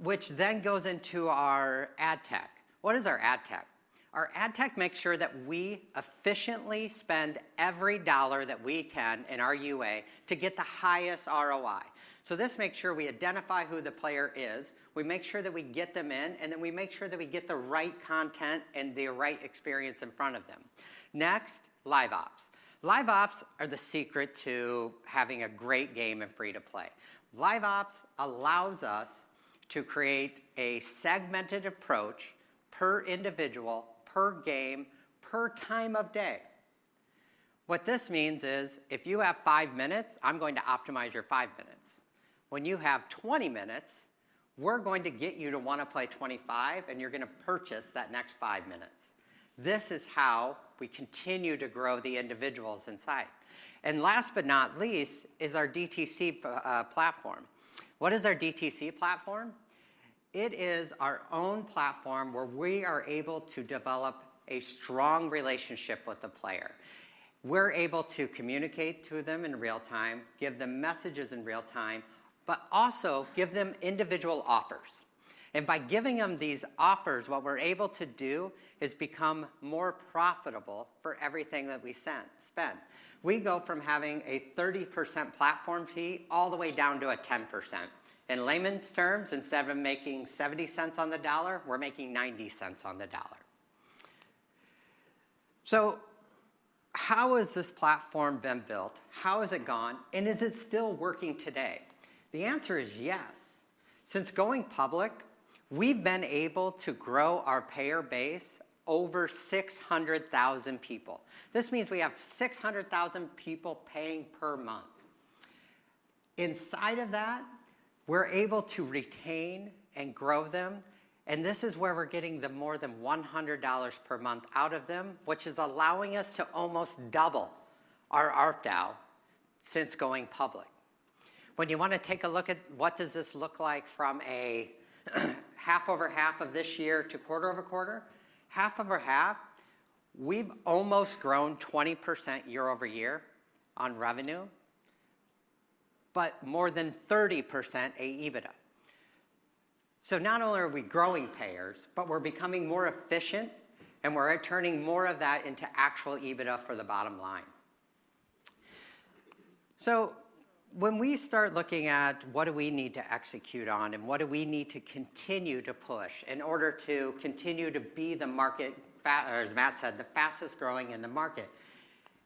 which then goes into our ad tech. What is our ad tech? Our ad tech makes sure that we efficiently spend every dollar that we can in our UA to get the highest ROI. So this makes sure we identify who the player is, we make sure that we get them in, and then we make sure that we get the right content and the right experience in front of them. Next, Live Ops. Live Ops are the secret to having a great game in free-to-play. Live Ops allows us to create a segmented approach per individual, per game, per time of day. What this means is, if you have five minutes, I'm going to optimize your five minutes. When you have twenty minutes, we're going to get you to wanna play twenty-five, and you're gonna purchase that next five minutes. This is how we continue to grow the individuals inside. And last but not least is our DTC platform. What is our DTC platform? It is our own platform where we are able to develop a strong relationship with the player. We're able to communicate to them in real time, give them messages in real time, but also give them individual offers. And by giving them these offers, what we're able to do is become more profitable for everything that we spend. We go from having a 30% platform fee all the way down to a 10%. In layman's terms, instead of making seventy cents on the dollar, we're making ninety cents on the dollar.... So how has this platform been built? How has it gone, and is it still working today? The answer is yes. Since going public, we've been able to grow our payer base over 600,000 people. This means we have 600,000 people paying per month. Inside of that, we're able to retain and grow them, and this is where we're getting the more than $100 per month out of them, which is allowing us to almost double our ARPDAU since going public. When you wanna take a look at what does this look like from a half over half of this year to quarter over quarter, half over half, we've almost grown 20% year over year on revenue, but more than 30% AEBITDA. So not only are we growing payers, but we're becoming more efficient, and we're turning more of that into actual EBITDA for the bottom line. So when we start looking at what do we need to execute on and what do we need to continue to push in order to continue to be the market, or as Matt said, the fastest growing in the market,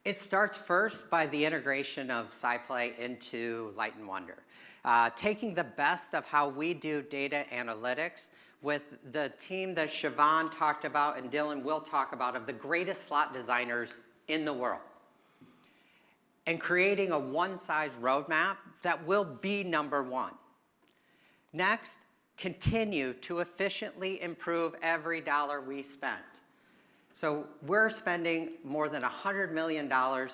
it starts first by the integration of SciPlay into Light & Wonder. Taking the best of how we do data analytics with the team that Siobhan talked about, and Dylan will talk about, of the greatest slot designers in the world, and creating a one-size roadmap that will be number one. Next, continue to efficiently improve every dollar we spend. So we're spending more than $100 million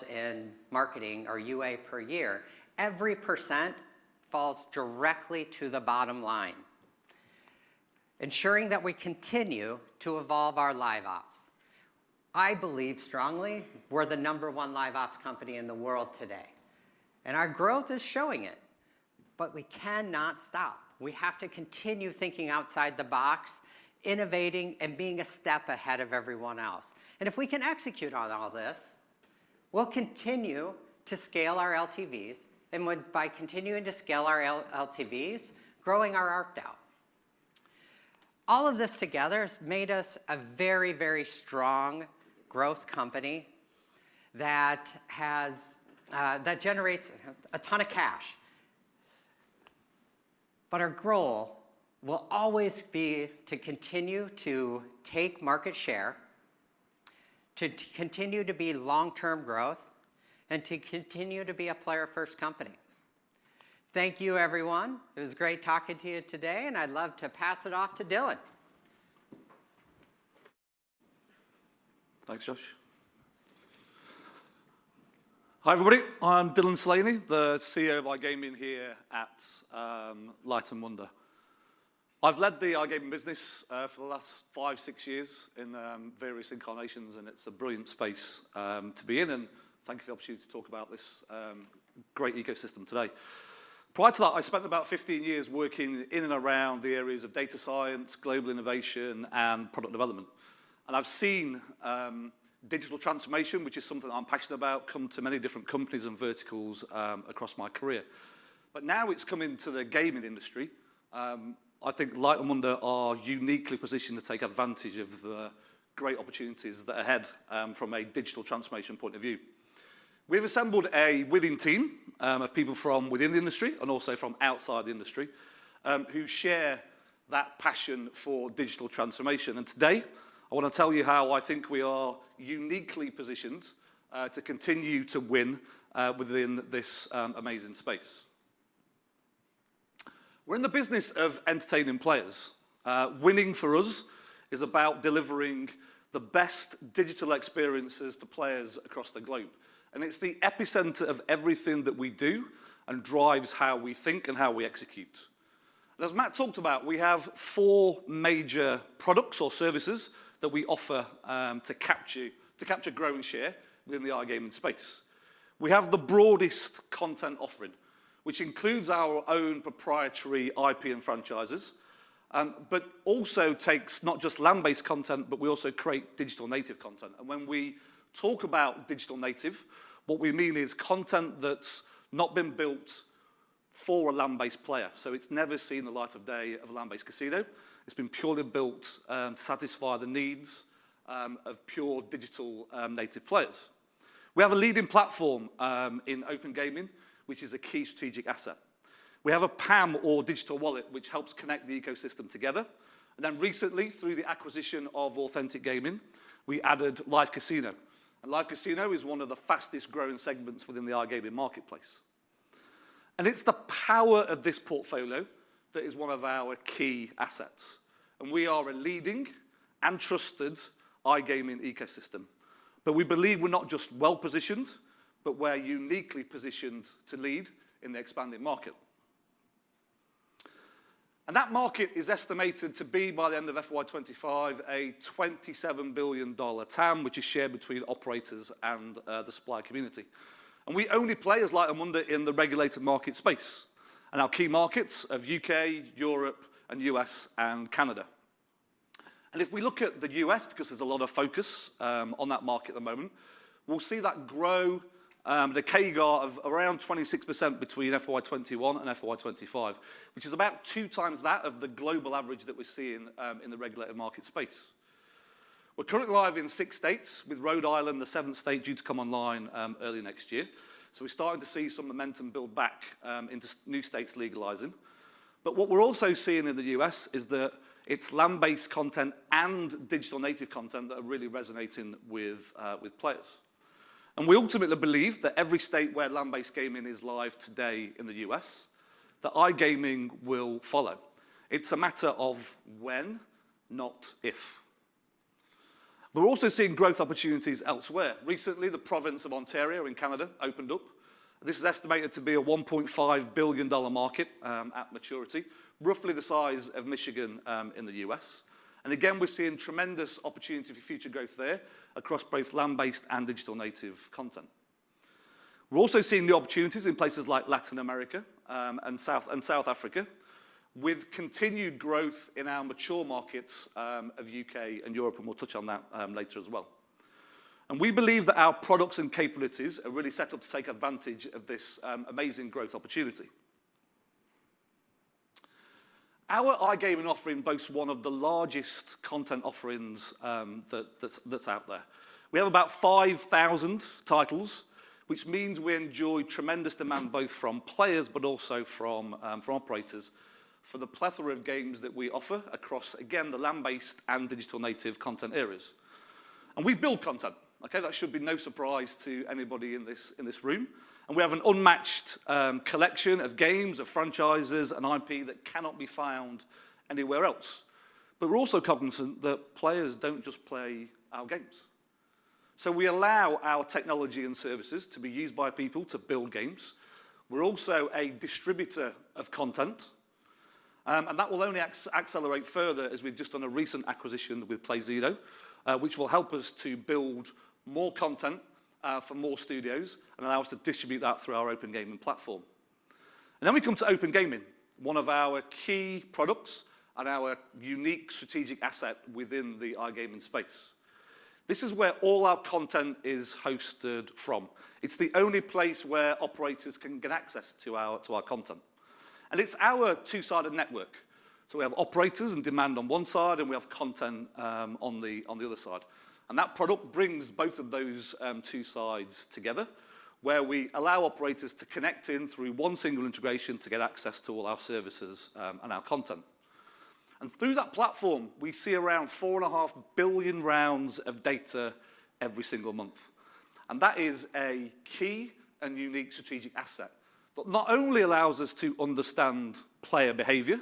in marketing or UA per year. Every percent falls directly to the bottom line, ensuring that we continue to evolve our Live Ops. I believe strongly we're the number one Live Ops company in the world today, and our growth is showing it, but we cannot stop. We have to continue thinking outside the box, innovating, and being a step ahead of everyone else. And if we can execute on all this, we'll continue to scale our LTVs, and with by continuing to scale our LTVs, growing our ARPDAU. All of this together has made us a very, very strong growth company that has that generates a ton of cash. But our goal will always be to continue to take market share, to continue to be long-term growth, and to continue to be a player-first company. Thank you, everyone. It was great talking to you today, and I'd love to pass it off to Dylan. Thanks, Josh. Hi, everybody, I'm Dylan Slaney, the CEO of iGaming here at Light & Wonder. I've led the iGaming business for the last five, six years in various incarnations, and it's a brilliant space to be in, and thank you for the opportunity to talk about this great ecosystem today. Prior to that, I spent about fifteen years working in and around the areas of data science, global innovation, and product development. And I've seen digital transformation, which is something that I'm passionate about, come to many different companies and verticals across my career. But now it's come into the gaming industry. I think Light & Wonder are uniquely positioned to take advantage of the great opportunities that are ahead from a digital transformation point of view. We've assembled a winning team of people from within the industry and also from outside the industry who share that passion for digital transformation, and today I wanna tell you how I think we are uniquely positioned to continue to win within this amazing space. We're in the business of entertaining players. Winning for us is about delivering the best digital experiences to players across the globe, and it's the epicenter of everything that we do and drives how we think and how we execute. And as Matt talked about, we have four major products or services that we offer to capture growing share within the iGaming space. We have the broadest content offering, which includes our own proprietary IP and franchises, but also takes not just land-based content, but we also create digital-native content. And when we talk about digital native, what we mean is content that's not been built for a land-based player, so it's never seen the light of day of a land-based casino. It's been purely built to satisfy the needs of pure digital native players. We have a leading platform in OpenGaming, which is a key strategic asset. We have a PAM or digital wallet, which helps connect the ecosystem together. And then recently, through the acquisition of Authentic Gaming, we added live casino, and live casino is one of the fastest growing segments within the iGaming marketplace. And it's the power of this portfolio that is one of our key assets, and we are a leading and trusted iGaming ecosystem. But we believe we're not just well-positioned, but we're uniquely positioned to lead in the expanding market. That market is estimated to be, by the end of FY 2025, a $27 billion TAM, which is shared between operators and the supplier community. We only play as Light & Wonder in the regulated market space, in our key markets of U.K., Europe, U.S., and Canada. If we look at the U.S., because there's a lot of focus on that market at the moment, we'll see that grow, the CAGR of around 26% between FY 2021 and FY 2025, which is about two times that of the global average that we're seeing in the regulated market space. We're currently live in six states, with Rhode Island, the seventh state, due to come online early next year. We're starting to see some momentum build back into new states legalizing. But what we're also seeing in the US is that it's land-based content and digital-native content that are really resonating with players. And we ultimately believe that every state where land-based gaming is live today in the US, that iGaming will follow. It's a matter of when, not if. We're also seeing growth opportunities elsewhere. Recently, the province of Ontario in Canada opened up. This is estimated to be a $1.5 billion market at maturity, roughly the size of Michigan in the US. And again, we're seeing tremendous opportunity for future growth there across both land-based and digital-native content. We're also seeing the opportunities in places like Latin America and South Africa, with continued growth in our mature markets of UK and Europe, and we'll touch on that later as well. We believe that our products and capabilities are really set up to take advantage of this amazing growth opportunity. Our iGaming offering boasts one of the largest content offerings that's out there. We have about five thousand titles, which means we enjoy tremendous demand, both from players but also from operators, for the plethora of games that we offer across, again, the land-based and digital-native content areas. We build content. Okay? That should be no surprise to anybody in this room. We have an unmatched collection of games, of franchises and IP that cannot be found anywhere else. We're also cognizant that players don't just play our games. We allow our technology and services to be used by people to build games. We're also a distributor of content, and that will only accelerate further as we've just done a recent acquisition with Playzido, which will help us to build more content for more studios and allow us to distribute that through our OpenGaming platform. And then we come to OpenGaming, one of our key products and our unique strategic asset within the iGaming space. This is where all our content is hosted from. It's the only place where operators can get access to our content, and it's our two-sided network. So we have operators and demand on one side, and we have content on the other side. And that product brings both of those two sides together, where we allow operators to connect in through one single integration to get access to all our services and our content. Through that platform, we see around four and a half billion rounds of data every single month. That is a key and unique strategic asset that not only allows us to understand player behavior,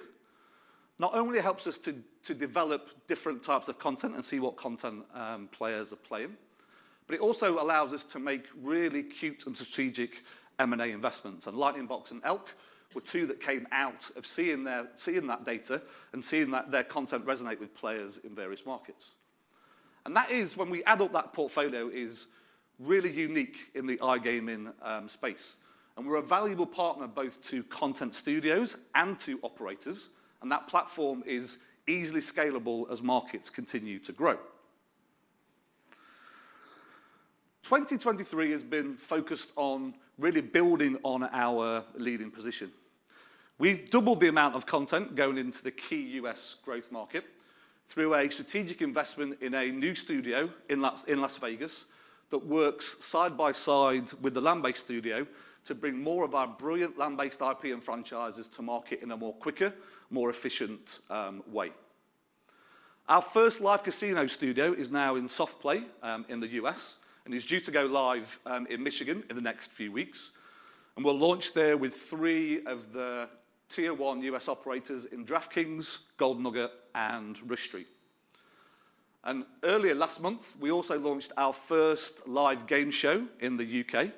not only helps us to develop different types of content and see what content players are playing, but it also allows us to make really acute and strategic M&A investments. Lightning Box and Elk were two that came out of seeing that data and seeing that their content resonate with players in various markets. That, when we add up that portfolio, is really unique in the iGaming space. We're a valuable partner both to content studios and to operators, and that platform is easily scalable as markets continue to grow. 2023 has been focused on really building on our leading position. We've doubled the amount of content going into the key U.S. growth market through a strategic investment in a new studio in Las Vegas that works side by side with the land-based studio to bring more of our brilliant land-based IP and franchises to market in a more quicker, more efficient way. Our first live casino studio is now in soft play in the U.S., and is due to go live in Michigan in the next few weeks, and we'll launch there with three of the Tier One U.S. operators in DraftKings, Golden Nugget and Rush Street. And earlier last month, we also launched our first live game show in the U.K.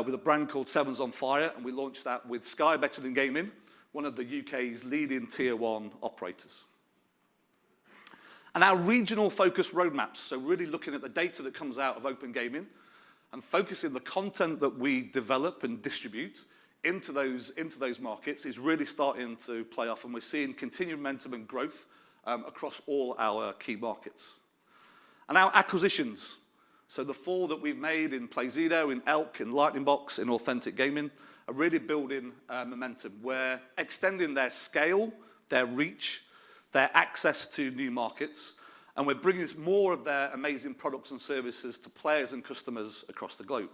with a brand called 7s On Fire, and we launched that with Sky Betting & Gaming, one of the U.K.'s leading Tier One operators. Our regional focus roadmaps, so really looking at the data that comes out of OpenGaming and focusing the content that we develop and distribute into those markets, is really starting to play off, and we're seeing continued momentum and growth across all our key markets. Our acquisitions, so the four that we've made in Playzido, in Elk, in Lightning Box, in Authentic Gaming, are really building momentum. We're extending their scale, their reach, their access to new markets, and we're bringing more of their amazing products and services to players and customers across the globe.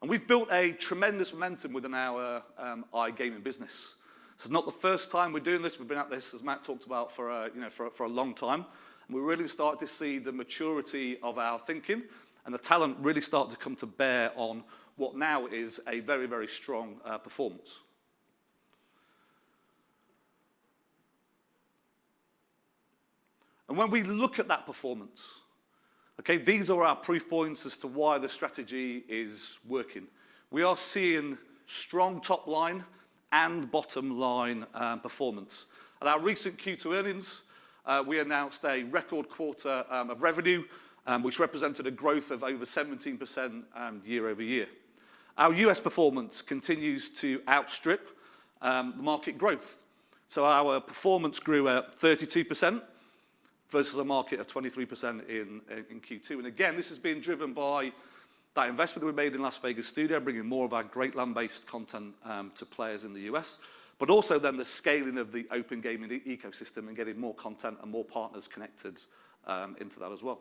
We've built a tremendous momentum within our iGaming business. This is not the first time we're doing this. We've been at this, as Matt talked about, for, you know, for a long time, and we're really starting to see the maturity of our thinking and the talent really start to come to bear on what now is a very, very strong performance. And when we look at that performance, okay, these are our proof points as to why the strategy is working. We are seeing strong top line and bottom line performance. At our recent Q2 earnings, we announced a record quarter of revenue, which represented a growth of over 17% year over year. Our U.S. performance continues to outstrip the market growth. So our performance grew at 32% versus a market of 23% in Q2. And again, this is being driven by that investment that we made in Las Vegas Studio, bringing more of our great land-based content to players in the US. But also then the scaling of the OpenGaming ecosystem and getting more content and more partners connected into that as well.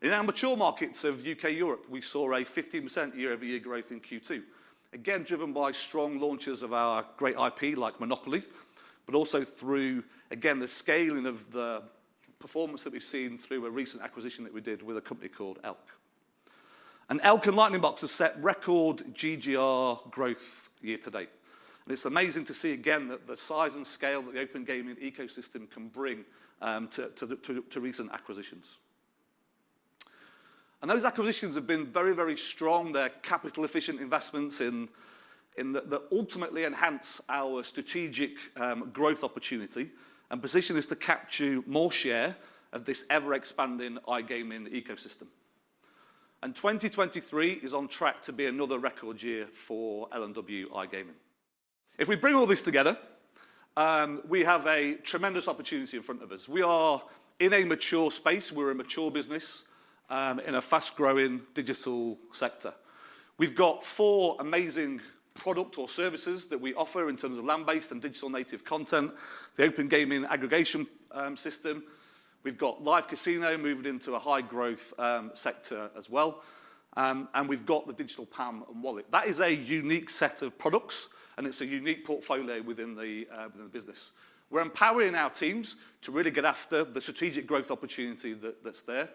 In our mature markets of UK/Europe, we saw a 15% year-over-year growth in Q2. Again, driven by strong launches of our great IP, like Monopoly, but also through, again, the scaling of the performance that we've seen through a recent acquisition that we did with a company called Elk. And Elk and Lightning Box have set record GGR growth year to date, and it's amazing to see again that the size and scale that the OpenGaming ecosystem can bring to recent acquisitions. And those acquisitions have been very, very strong. They're capital-efficient investments that ultimately enhance our strategic growth opportunity and position us to capture more share of this ever-expanding iGaming ecosystem. And 2023 is on track to be another record year for LNW iGaming. If we bring all this together, we have a tremendous opportunity in front of us. We are in a mature space. We're a mature business in a fast-growing digital sector. We've got four amazing product or services that we offer in terms of land-based and digital-native content, the OpenGaming aggregation system. We've got live casino moving into a high-growth sector as well, and we've got the digital PAM and wallet. That is a unique set of products, and it's a unique portfolio within the business. We're empowering our teams to really get after the strategic growth opportunity that's there,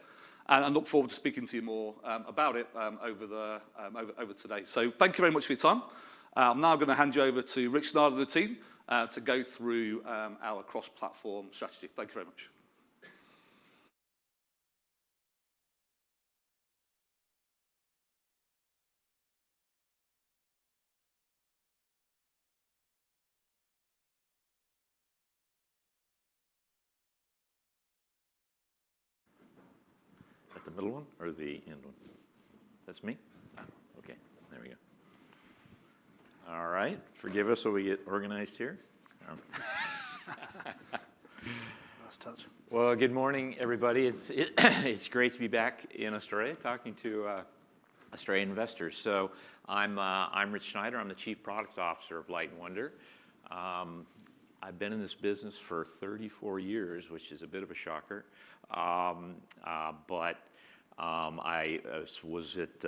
and I look forward to speaking to you more about it over today. So thank you very much for your time. I'm now gonna hand you over to Rich Schneider and the team to go through our cross-platform strategy. Thank you very much. At the middle one or the end one? That's me? Ah, okay, there we go. All right, forgive us while we get organized here. Last touch. Good morning, everybody. It's great to be back in Australia, talking to Australian investors. I'm Rich Schneider. I'm the Chief Product Officer of Light & Wonder. I've been in this business for 34 years, which is a bit of a shocker. I was at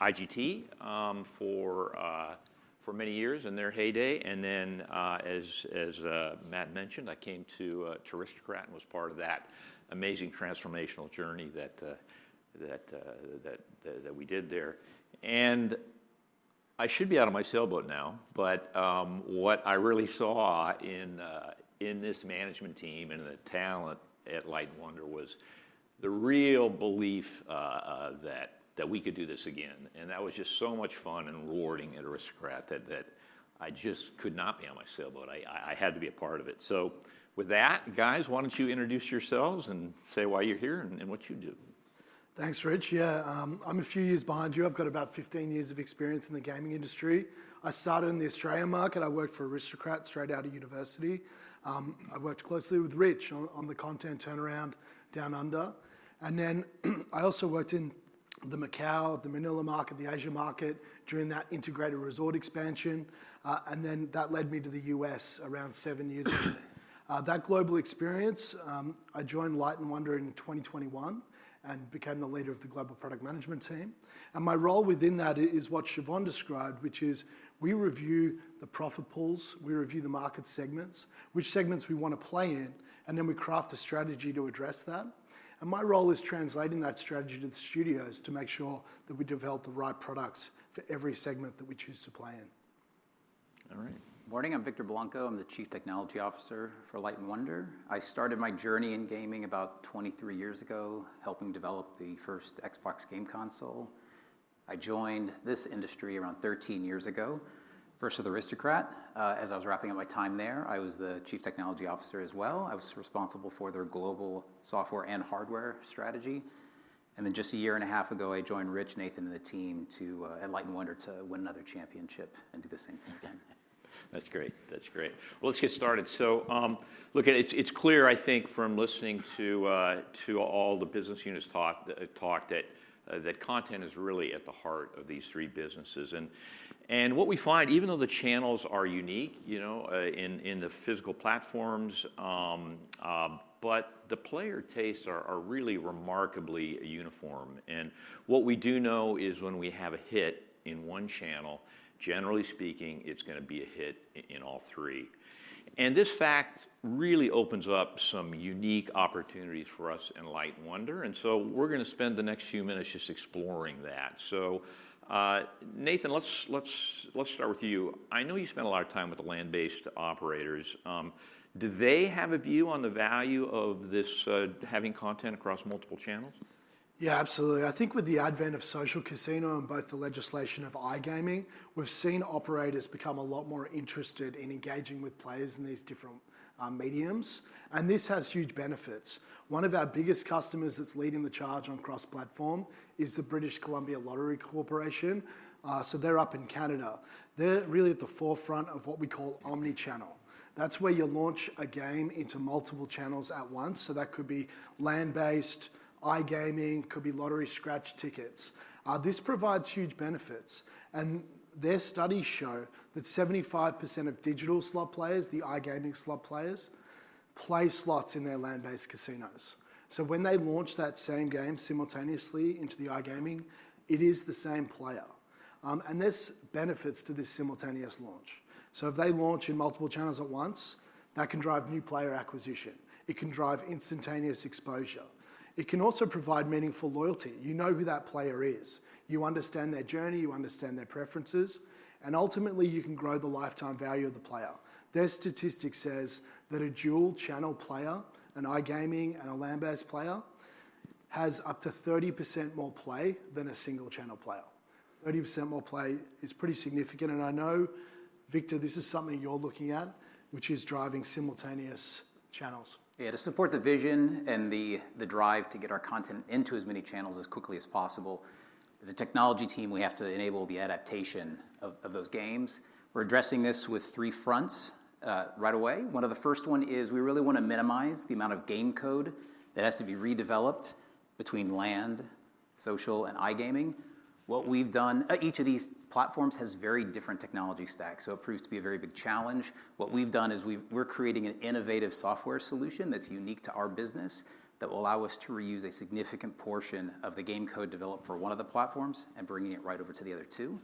IGT for many years in their heyday, and then, as Matt mentioned, I came to Aristocrat and was part of that amazing transformational journey that we did there. And I should be out on my sailboat now, but what I really saw in this management team and the talent at Light & Wonder was the real belief that we could do this again, and that was just so much fun and rewarding at Aristocrat that I just could not be on my sailboat. I had to be a part of it. So with that, guys, why don't you introduce yourselves and say why you're here and what you do? Thanks, Rich. Yeah, I'm a few years behind you. I've got about 15 years of experience in the gaming industry. I started in the Australian market. I worked for Aristocrat straight out of university. I worked closely with Rich on the content turnaround down under. And then I also worked in the Macau, the Manila market, the Asia market, during that integrated resort expansion, and then that led me to the US around 7 years ago. That global experience, I joined Light & Wonder in 2021 and became the leader of the global product management team, and my role within that is what Siobhan described, which is, we review the profit pools, we review the market segments, which segments we wanna play in, and then we craft a strategy to address that. My role is translating that strategy to the studios to make sure that we develop the right products for every segment that we choose to play in. All right. Morning, I'm Victor Blanco. I'm the Chief Technology Officer for Light & Wonder. I started my journey in gaming about twenty-three years ago, helping develop the first Xbox game console. I joined this industry around thirteen years ago, first at Aristocrat. As I was wrapping up my time there, I was the Chief Technology Officer as well. I was responsible for their global software and hardware strategy, and then just a year and a half ago, I joined Rich, Nathan, and the team to at Light & Wonder, to win another championship and do the same thing again. That's great. That's great. Well, let's get started. So, look, it's clear, I think, from listening to all the business units talk that content is really at the heart of these three businesses. And what we find, even though the channels are unique, you know, in the physical platforms, but the player tastes are really remarkably uniform. And what we do know is when we have a hit in one channel, generally speaking, it's gonna be a hit in all three. And this fact really opens up some unique opportunities for us in Light & Wonder, and so we're gonna spend the next few minutes just exploring that. So, Nathan, let's start with you. I know you spent a lot of time with the land-based operators. Do they have a view on the value of this, having content across multiple channels? Yeah, absolutely. I think with the advent of social casino and both the legislation of iGaming, we've seen operators become a lot more interested in engaging with players in these different mediums, and this has huge benefits. One of our biggest customers that's leading the charge on cross-platform is the British Columbia Lottery Corporation. So they're up in Canada. They're really at the forefront of what we call omni-channel. That's where you launch a game into multiple channels at once, so that could be land-based, iGaming, could be lottery scratch tickets. This provides huge benefits, and their studies show that 75% of digital slot players, the iGaming slot players play slots in their land-based casinos. So when they launch that same game simultaneously into the iGaming, it is the same player. And there's benefits to this simultaneous launch. So if they launch in multiple channels at once, that can drive new player acquisition. It can drive instantaneous exposure. It can also provide meaningful loyalty. You know who that player is. You understand their journey, you understand their preferences, and ultimately, you can grow the lifetime value of the player. Their statistic says that a dual-channel player, an iGaming and a land-based player, has up to 30% more play than a single-channel player. 30% more play is pretty significant, and I know, Victor, this is something you're looking at, which is driving simultaneous channels. Yeah, to support the vision and the drive to get our content into as many channels as quickly as possible, as a technology team, we have to enable the adaptation of those games. We're addressing this with three fronts right away. One of the first one is, we really wanna minimize the amount of game code that has to be redeveloped between land, social, and iGaming. What we've done, each of these platforms has very different technology stacks, so it proves to be a very big challenge. What we've done is we're creating an innovative software solution that's unique to our business, that will allow us to reuse a significant portion of the game code developed for one of the platforms, and bringing it right over to the other two.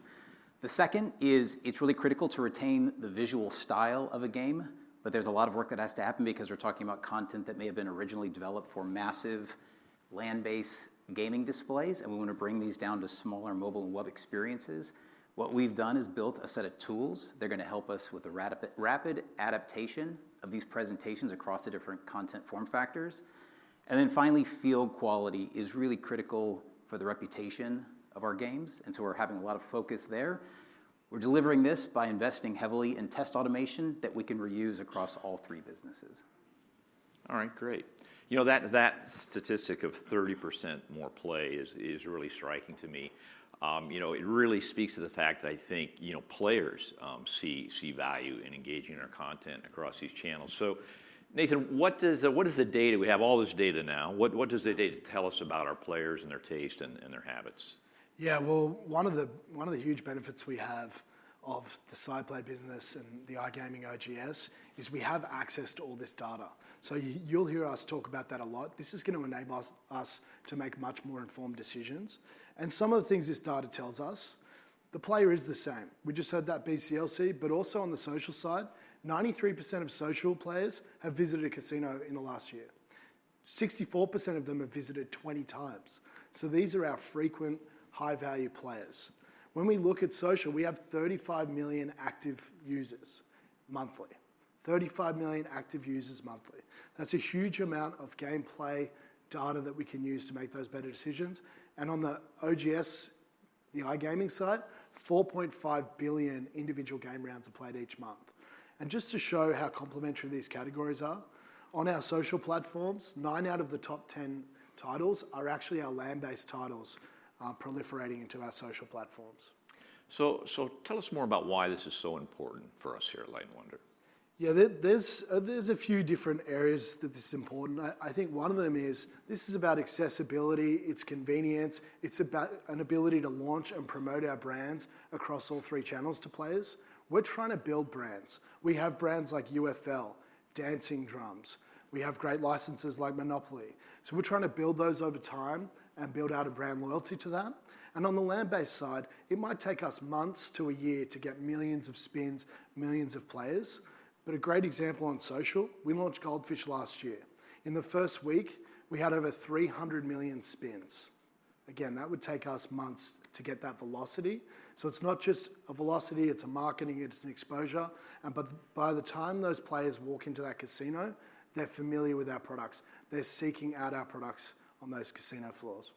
The second is, it's really critical to retain the visual style of a game, but there's a lot of work that has to happen because we're talking about content that may have been originally developed for massive land-based gaming displays, and we wanna bring these down to smaller mobile and web experiences. What we've done is built a set of tools that are gonna help us with the rapid, rapid adaptation of these presentations across the different content form factors. And then finally, field quality is really critical for the reputation of our games, and so we're having a lot of focus there. We're delivering this by investing heavily in test automation that we can reuse across all three businesses. All right, great. You know, that statistic of 30% more play is really striking to me. You know, it really speaks to the fact that I think, you know, players see value in engaging our content across these channels. So Nathan, what does the data tell us? We have all this data now. What does the data tell us about our players and their taste, and their habits? Yeah, well, one of the huge benefits we have of the SciPlay business and the iGaming OGS is we have access to all this data. So you'll hear us talk about that a lot. This is gonna enable us to make much more informed decisions, and some of the things this data tells us, the player is the same. We just heard that BCLC, but also on the social side, 93% of social players have visited a casino in the last year. 64% of them have visited 20 times. So these are our frequent, high-value players. When we look at social, we have 35 million active users monthly. That's a huge amount of gameplay data that we can use to make those better decisions, and on the OpenGaming, the iGaming side, 4.5 billion individual game rounds are played each month. And just to show how complementary these categories are, on our social platforms, 9 out of the top 10 titles are actually our land-based titles, are proliferating into our social platforms. Tell us more about why this is so important for us here at Light & Wonder. Yeah, there are a few different areas that this is important. I think one of them is this is about accessibility. It's convenience. It's about an ability to launch and promote our brands across all three channels to players. We're trying to build brands. We have brands like UFL, Dancing Drums. We have great licenses like Monopoly. So we're trying to build those over time, and build out a brand loyalty to that, and on the land-based side, it might take us months to a year to get millions of spins, millions of players. But a great example on social, we launched Gold Fish last year. In the first week, we had over 300 million spins. Again, that would take us months to get that velocity. So it's not just a velocity, it's a marketing, it's an exposure, and but by the time those players walk into that casino, they're familiar with our products. They're seeking out our products on those casino floors.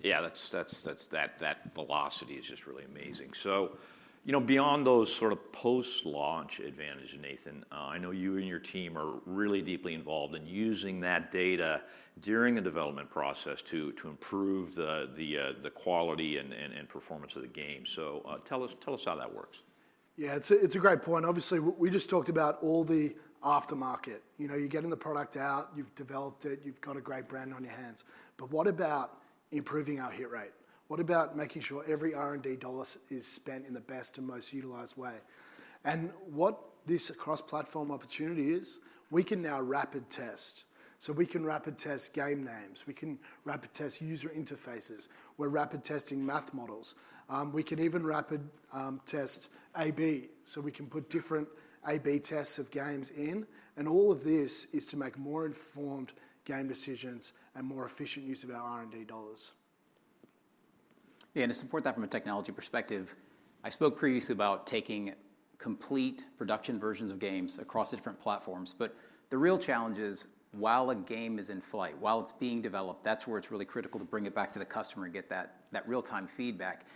Yeah, that's that velocity is just really amazing. So, you know, beyond those sort of post-launch advantage, Nathan, I know you and your team are really deeply involved in using that data during the development process to improve the quality and performance of the game. So, tell us how that works. Yeah, it's a great point. Obviously, we just talked about all the aftermarket. You know, you're getting the product out, you've developed it, you've got a great brand on your hands. But what about improving our hit rate? What about making sure every R&D dollar is spent in the best and most utilized way? And what this cross-platform opportunity is, we can now rapid test. So we can rapid test game names, we can rapid test user interfaces, we're rapid testing math models. We can even rapid test AB, so we can put different AB tests of games in, and all of this is to make more informed game decisions and more efficient use of our R&D dollars. Yeah, and to support that from a technology perspective, I spoke previously about taking complete production versions of games across the different platforms, but the real challenge is, while a game is in flight, while it's being developed, that's where it's really critical to bring it back to the customer and get that, that real-time feedback.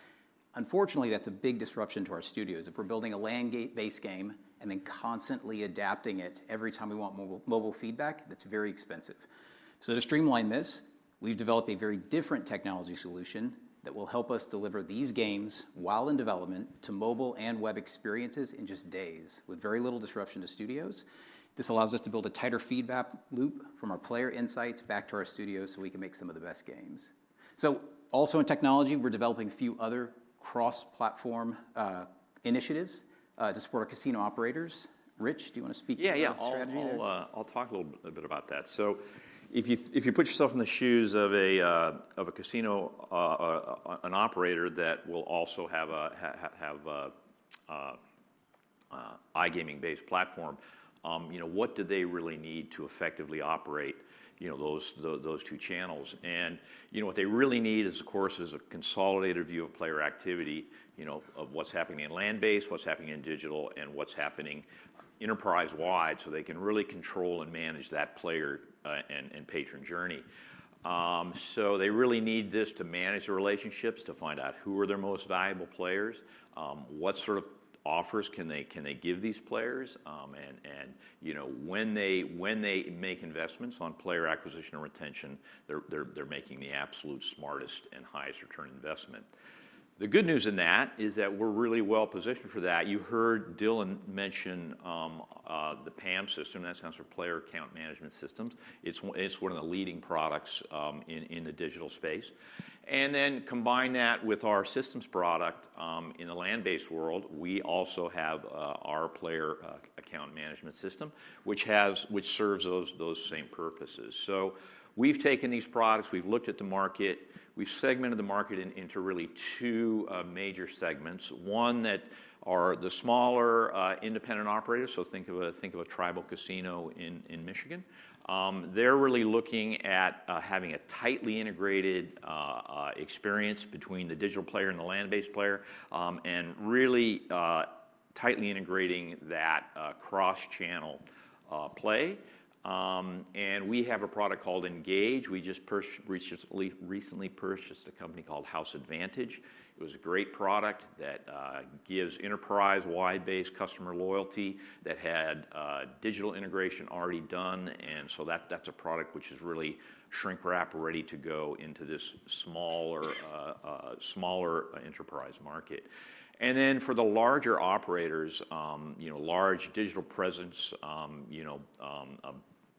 Unfortunately, that's a big disruption to our studios. If we're building a land-based game, and then constantly adapting it every time we want mobile, mobile feedback, that's very expensive. So to streamline this, we've developed a very different technology solution that will help us deliver these games while in development to mobile and web experiences in just days, with very little disruption to studios. This allows us to build a tighter feedback loop from our player insights back to our studios, so we can make some of the best games. So also in technology, we're developing a few cross-platform initiatives to support our casino operators. Rich, do you wanna speak to our strategy there? Yeah, yeah. I'll talk a little bit about that. So if you put yourself in the shoes of a casino operator that will also have a iGaming-based platform, you know, what do they really need to effectively operate, you know, those two channels? And, you know, what they really need is, of course, a consolidated view of player activity, you know, of what's happening in land-based, what's happening in digital, and what's happening enterprise-wide, so they can really control and manage that player and patron journey. So they really need this to manage the relationships, to find out who are their most valuable players, what sort of offers can they give these players, and, you know, when they make investments on player acquisition or retention, they're making the absolute smartest and highest return on investment. The good news in that is that we're really well-positioned for that. You heard Dylan mention the PAM system. That stands for player account management systems. It's one of the leading products in the digital space. And then combine that with our systems product in the land-based world. We also have our player account management system, which serves those same purposes. We've taken these products, we've looked at the market, we've segmented the market into really two major segments. One that are the smaller independent operators, so think of a tribal casino in Michigan. They're really looking at having a tightly integrated experience between the digital player and the land-based player, and really tightly integrating that cross-channel play. We have a product called Engage. We just recently purchased a company called House Advantage. It was a great product that gives enterprise-wide database customer loyalty, that had digital integration already done, and so that's a product which is really shrink wrap ready to go into this smaller enterprise market. And then for the larger operators, you know, large digital presence, you know,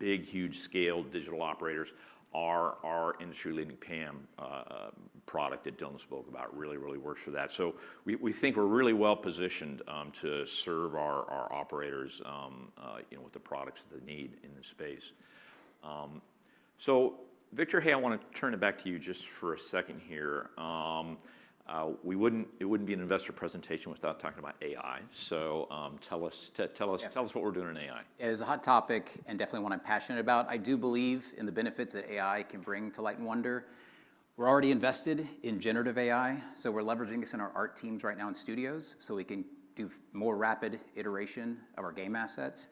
big huge scale digital operators are our industry-leading PAM product that Dylan spoke about. Really really works for that. So we think we're really well-positioned to serve our operators you know with the products that they need in the space. So Victor Blanco, I want to turn it back to you just for a second here. We wouldn't, it wouldn't be an investor presentation without talking about AI. So tell us tell us- Yeah... tell us what we're doing in AI. It is a hot topic and definitely one I'm passionate about. I do believe in the benefits that AI can bring to Light & Wonder. We're already invested in generative AI, so we're leveraging this in our art teams right now in studios, so we can do more rapid iteration of our game assets.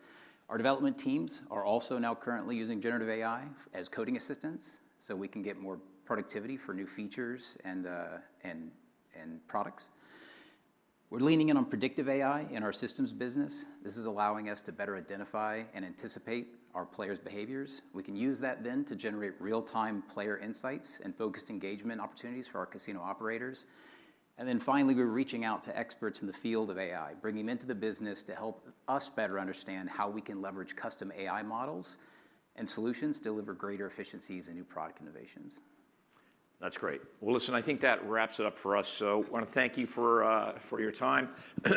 Our development teams are also now currently using generative AI as coding assistants, so we can get more productivity for new features and products. We're leaning in on predictive AI in our systems business. This is allowing us to better identify and anticipate our players' behaviors. We can use that then to generate real-time player insights and focused engagement opportunities for our casino operators. And then finally, we're reaching out to experts in the field of AI, bringing them into the business to help us better understand how we can leverage custom AI models, and solutions deliver greater efficiencies and new product innovations. That's great. Well, listen, I think that wraps it up for us, so wanna thank you for your time.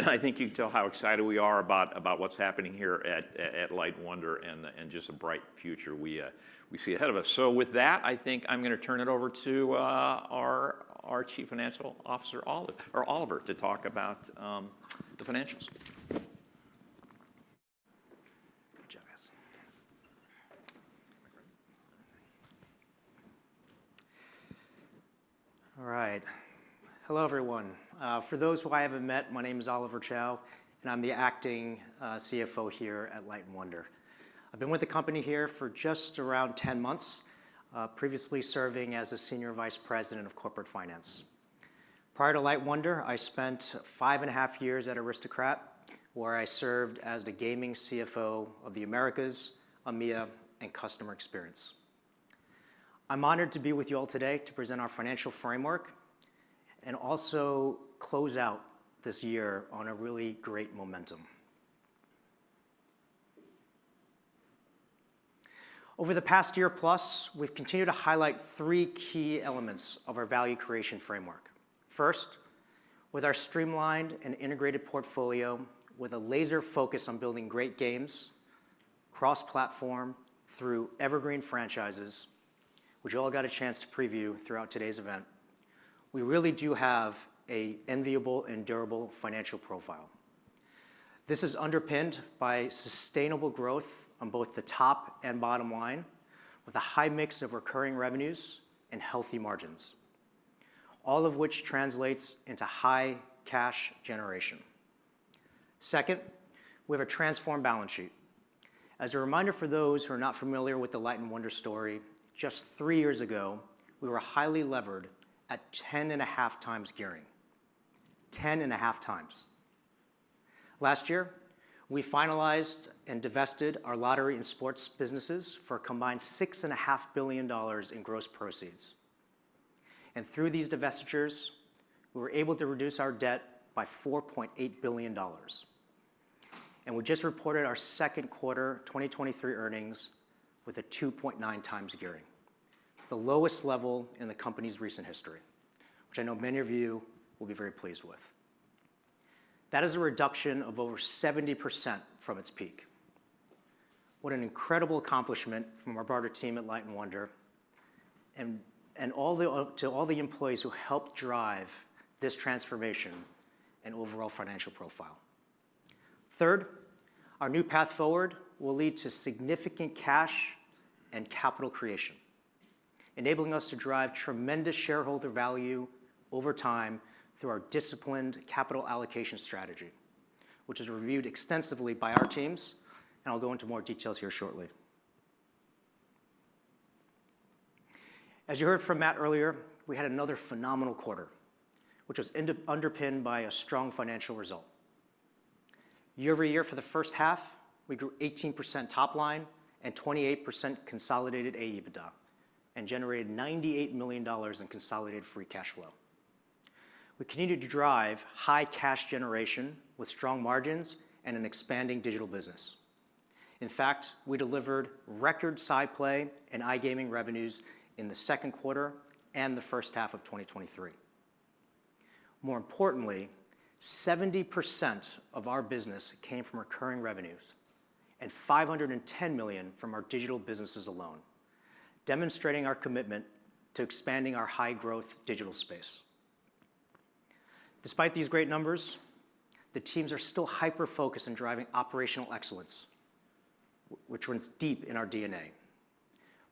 I think you can tell how excited we are about what's happening here at Light & Wonder, and just a bright future we see ahead of us. So with that, I think I'm gonna turn it over to our Chief Financial Officer, Oliver, to talk about the financials. Good job, guys. All right. Hello, everyone. For those who I haven't met, my name is Oliver Chow, and I'm the Acting CFO here at Light & Wonder. I've been with the company here for just around 10 months, previously serving as a Senior Vice President of Corporate Finance. Prior to Light & Wonder, I spent five and a half years at Aristocrat, where I served as the Gaming CFO of the Americas, EMEA, and Customer Experience. I'm honored to be with you all today to present our financial framework, and also close out this year on a really great momentum. Over the past year plus, we've continued to highlight three key elements of our value creation framework. First, with our streamlined and integrated portfolio, with a laser focus on building great games, cross-platform through evergreen franchises, which you all got a chance to preview throughout today's event. We really do have an enviable and durable financial profile. This is underpinned by sustainable growth on both the top and bottom line, with a high mix of recurring revenues and healthy margins, all of which translates into high cash generation. Second, we have a transformed balance sheet. As a reminder, for those who are not familiar with the Light & Wonder story, just three years ago, we were highly levered at ten and a half times gearing. Ten and a half times. Last year, we finalized and divested our lottery and sports businesses for a combined $6.5 billion in gross proceeds, and through these divestitures, we were able to reduce our debt by $4.8 billion. And we just reported our second quarter 2023 earnings with a 2.9 times gearing, the lowest level in the company's recent history, which I know many of you will be very pleased with. That is a reduction of over 70% from its peak. What an incredible accomplishment from our broader team at Light & Wonder, and to all the employees who helped drive this transformation and overall financial profile. Third, our new path forward will lead to significant cash and capital creation, enabling us to drive tremendous shareholder value over time through our disciplined capital allocation strategy, which is reviewed extensively by our teams, and I'll go into more details here shortly. As you heard from Matt earlier, we had another phenomenal quarter, which was indeed underpinned by a strong financial result. Year over year, for the first half, we grew 18% top line and 28% consolidated AEBITDA, and generated $98 million in consolidated free cash flow. We continued to drive high cash generation with strong margins and an expanding digital business. In fact, we delivered record SciPlay and iGaming revenues in the second quarter and the first half of 2023. More importantly, 70% of our business came from recurring revenues, and $510 million from our digital businesses alone, demonstrating our commitment to expanding our high-growth digital space. Despite these great numbers, the teams are still hyper-focused on driving operational excellence, which runs deep in our DNA.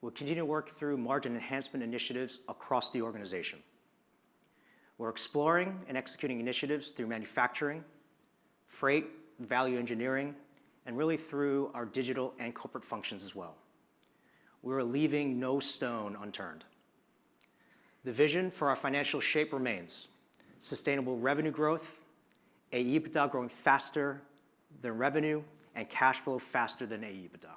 We'll continue to work through margin enhancement initiatives across the organization. We're exploring and executing initiatives through manufacturing, freight, value engineering, and really through our digital and corporate functions as well. We are leaving no stone unturned. The vision for our financial shape remains: sustainable revenue growth, AEBITDA growing faster than revenue, and cash flow faster than AEBITDA.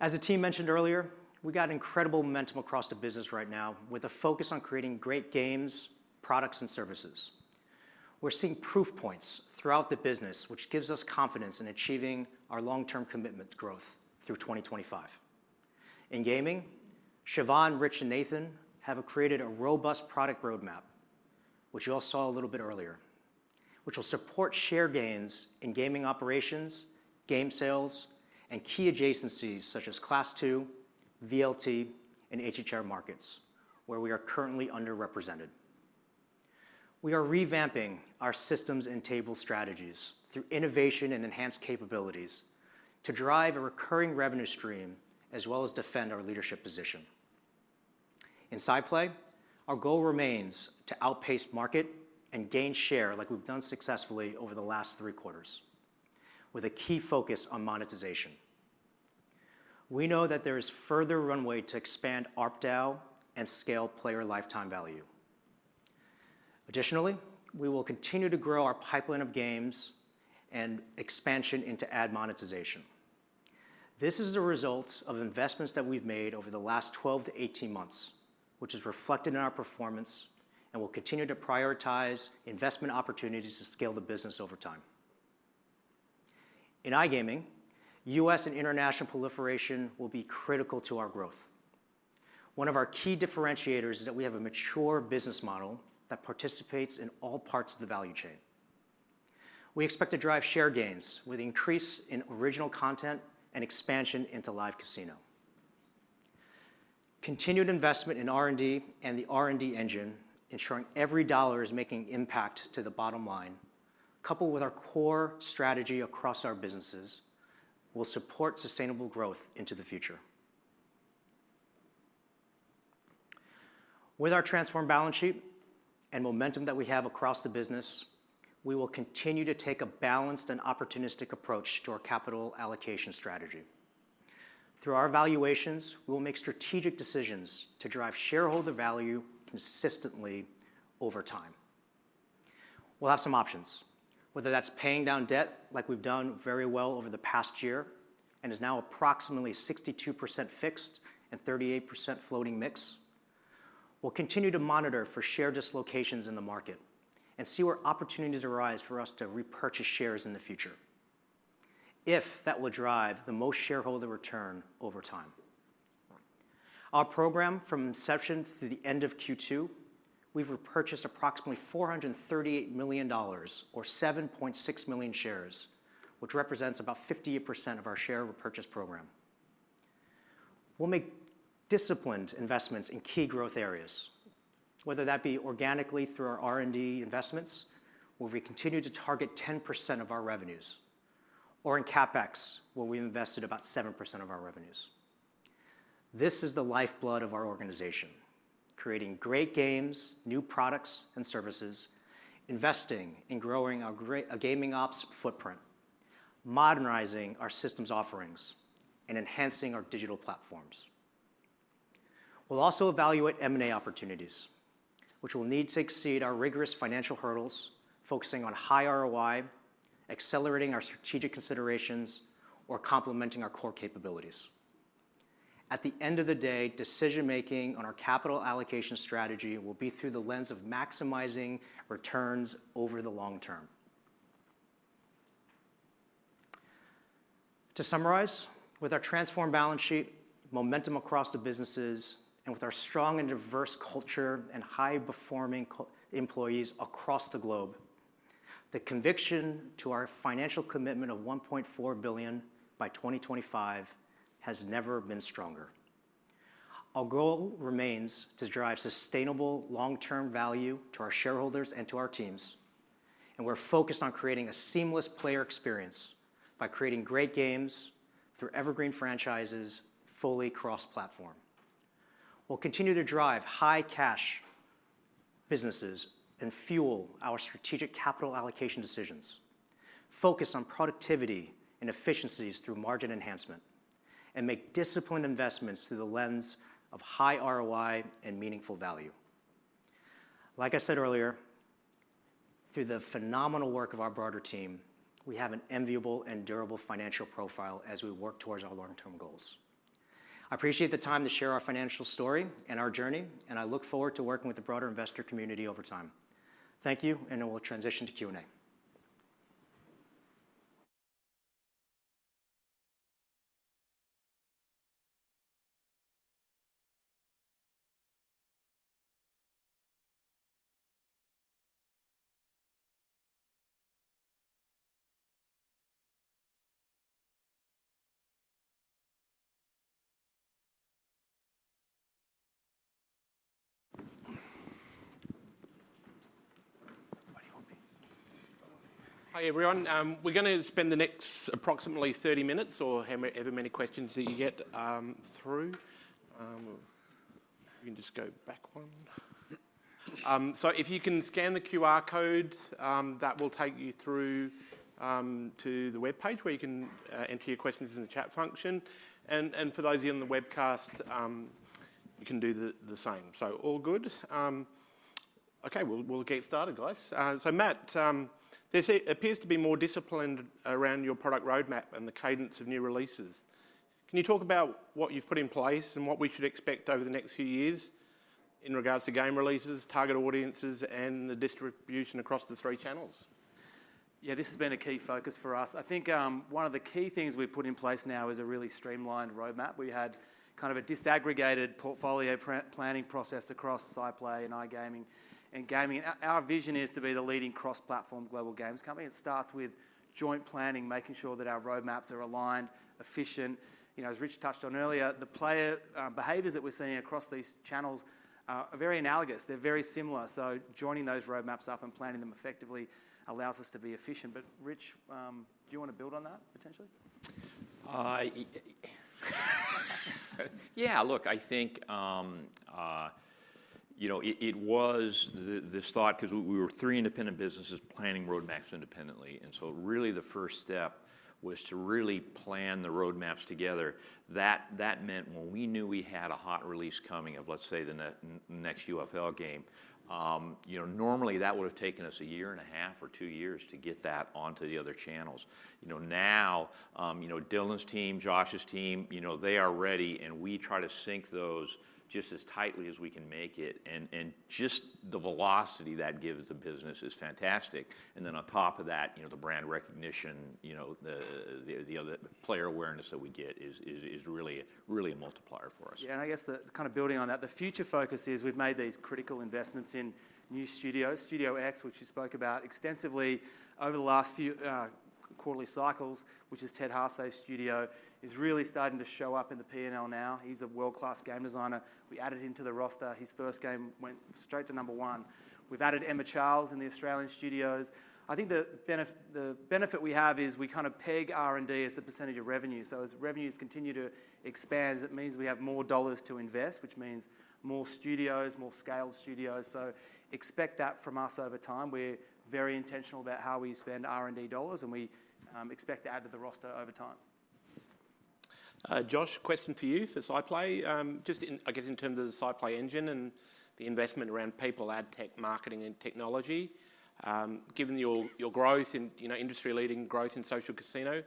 As the team mentioned earlier, we've got incredible momentum across the business right now, with a focus on creating great games, products, and services. We're seeing proof points throughout the business, which gives us confidence in achieving our long-term commitment to growth through 2025. In gaming, Siobhan, Rich, and Nathan have created a robust product roadmap, which you all saw a little bit earlier, which will support share gains in gaming operations, game sales, and key adjacencies such as Class II, VLT, and HHR markets, where we are currently underrepresented. We are revamping our systems and table strategies through innovation and enhanced capabilities to drive a recurring revenue stream, as well as defend our leadership position. In SciPlay, our goal remains to outpace market and gain share, like we've done successfully over the last three quarters, with a key focus on monetization. We know that there is further runway to expand ARPDAU and scale player lifetime value. Additionally, we will continue to grow our pipeline of games and expansion into ad monetization. This is a result of investments that we've made over the last twelve to eighteen months, which is reflected in our performance, and we'll continue to prioritize investment opportunities to scale the business over time. In iGaming, U.S. and international proliferation will be critical to our growth. One of our key differentiators is that we have a mature business model that participates in all parts of the value chain. We expect to drive share gains with increase in original content and expansion into live casino. Continued investment in R&D and the R&D engine, ensuring every dollar is making impact to the bottom line, coupled with our core strategy across our businesses, will support sustainable growth into the future. With our transformed balance sheet and momentum that we have across the business, we will continue to take a balanced and opportunistic approach to our capital allocation strategy. Through our capital allocation, we will make strategic decisions to drive shareholder value consistently over time. We'll have some options, whether that's paying down debt, like we've done very well over the past year, and is now approximately 62% fixed and 38% floating mix. We'll continue to monitor for share dislocations in the market and see where opportunities arise for us to repurchase shares in the future, if that will drive the most shareholder return over time. Our program, from inception through the end of Q2, we've repurchased approximately $438 million, or 7.6 million shares, which represents about 58% of our share repurchase program. We'll make disciplined investments in key growth areas, whether that be organically through our R&D investments, where we continue to target 10% of our revenues, or in CapEx, where we've invested about 7% of our revenues. This is the lifeblood of our organization: creating great games, new products and services, investing in growing our gaming ops footprint, modernizing our systems offerings, and enhancing our digital platforms. We'll also evaluate M&A opportunities, which will need to exceed our rigorous financial hurdles, focusing on high ROI, accelerating our strategic considerations, or complementing our core capabilities. At the end of the day, decision-making on our capital allocation strategy will be through the lens of maximizing returns over the long term. To summarize, with our transformed balance sheet, momentum across the businesses, and with our strong and diverse culture and high-performing employees across the globe, the conviction to our financial commitment of $1.4 billion by 2025 has never been stronger. Our goal remains to drive sustainable long-term value to our shareholders and to our teams, and we're focused on creating a seamless player experience by creating great games through evergreen franchises, fully cross-platform. We'll continue to drive high cash businesses and fuel our strategic capital allocation decisions, focus on productivity and efficiencies through margin enhancement, and make disciplined investments through the lens of high ROI and meaningful value. Like I said earlier, through the phenomenal work of our broader team, we have an enviable and durable financial profile as we work towards our long-term goals. I appreciate the time to share our financial story and our journey, and I look forward to working with the broader investor community over time. Thank you, and we'll transition to Q&A. Hi, everyone. We're gonna spend the next approximately 30 minutes or however many questions that you get through. You can just go back one. So if you can scan the QR codes, that will take you through to the web page, where you can enter your questions in the chat function. And for those of you on the webcast, you can do the same. So all good? Okay, we'll get started, guys. So Matt, there seems to appear to be more discipline around your product roadmap and the cadence of new releases. Can you talk about what you've put in place and what we should expect over the next few years in regards to game releases, target audiences, and the distribution across the three channels? Yeah, this has been a key focus for us. I think, one of the key things we've put in place now is a really streamlined roadmap. We had kind of a disaggregated portfolio planning process across SciPlay and iGaming and gaming. Our, our vision is to be the leading cross-platform global games company, and it starts with joint planning, making sure that our roadmaps are aligned, efficient. You know, as Rich touched on earlier, the player behaviors that we're seeing across these channels are, are very analogous, they're very similar. So joining those roadmaps up and planning them effectively allows us to be efficient. But Rich, do you want to build on that potentially? Yeah, look, I think, you know, it, it was this thought 'cause we, we were three independent businesses planning roadmaps independently, and so really the first step was to really plan the roadmaps together. That, that meant when we knew we had a hot release coming of, let's say, the next UFL game, you know, normally that would have taken us a year and a half or two years to get that onto the other channels. You know, now, you know, Dylan's team, Josh's team, you know, they are ready, and we try to sync those just as tightly as we can make it. And, and just the velocity that gives the business is fantastic. Then on top of that, you know, the brand recognition, you know, the other player awareness that we get is really a multiplier for us. Yeah, and I guess the kind of building on that, the future focus is we've made these critical investments in new studios. Studio X, which you spoke about extensively over the last few quarterly cycles, which is Ted Hase studio, is really starting to show up in the P&L now. He's a world-class game designer. We added him to the roster. His first game went straight to number one. We've added Emma Charles in the Australian studios. I think the benefit we have is we kind of peg R&D as a percentage of revenue. So as revenues continue to expand, it means we have more dollars to invest, which means more studios, more scaled studios. So expect that from us over time. We're very intentional about how we spend R&D dollars, and we expect to add to the roster over time. Josh, question for you for SciPlay. Just in, I guess, in terms of the SciPlay engine and the investment around people, ad tech, marketing, and technology, given your growth in, you know, industry-leading growth in social casino,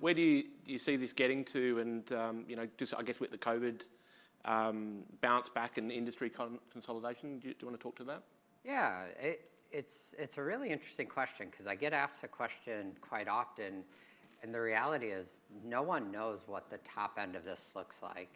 where do you see this getting to? And, you know, just I guess with the COVID bounce back and industry consolidation, do you wanna talk to that? Yeah, it's a really interesting question 'cause I get asked the question quite often, and the reality is, no one knows what the top end of this looks like.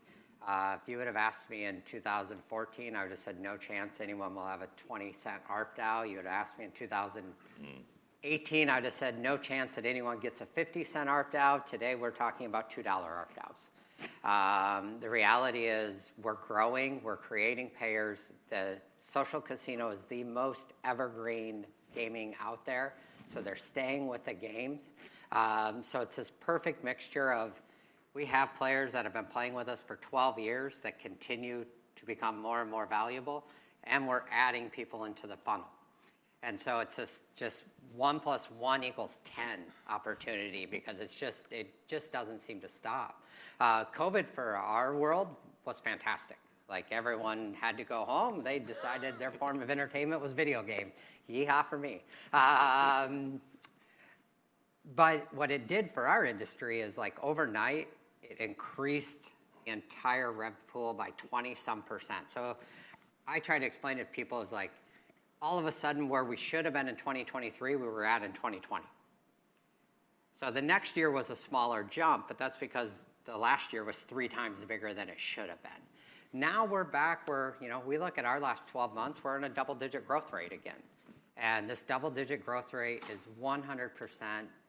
If you would have asked me in 2014, I would've said, "No chance anyone will have a $0.20 ARPDAU." You would've asked me in 2018, I'd have said, "No chance that anyone gets a $0.50 ARPDAU." Today, we're talking about $2 ARPDAU. The reality is we're growing, we're creating payers. The social casino is the most evergreen gaming out there, so they're staying with the games. So it's this perfect mixture of, we have players that have been playing with us for 12 years that continue to become more and more valuable, and we're adding people into the funnel. So it's this just one plus one equals ten opportunity because it's just it just doesn't seem to stop. COVID, for our world, was fantastic. Like, everyone had to go home. They decided their form of entertainment was video game. Yee-haw for me. But what it did for our industry is, like, overnight, it increased the entire rev pool by twenty-some%. So I try to explain to people as like, all of a sudden, where we should have been in twenty twenty-three, we were at in twenty twenty. So the next year was a smaller jump, but that's because the last year was three times bigger than it should have been. Now, we're back where, you know, we look at our last twelve months, we're in a double-digit growth rate again, and this double-digit growth rate is 100%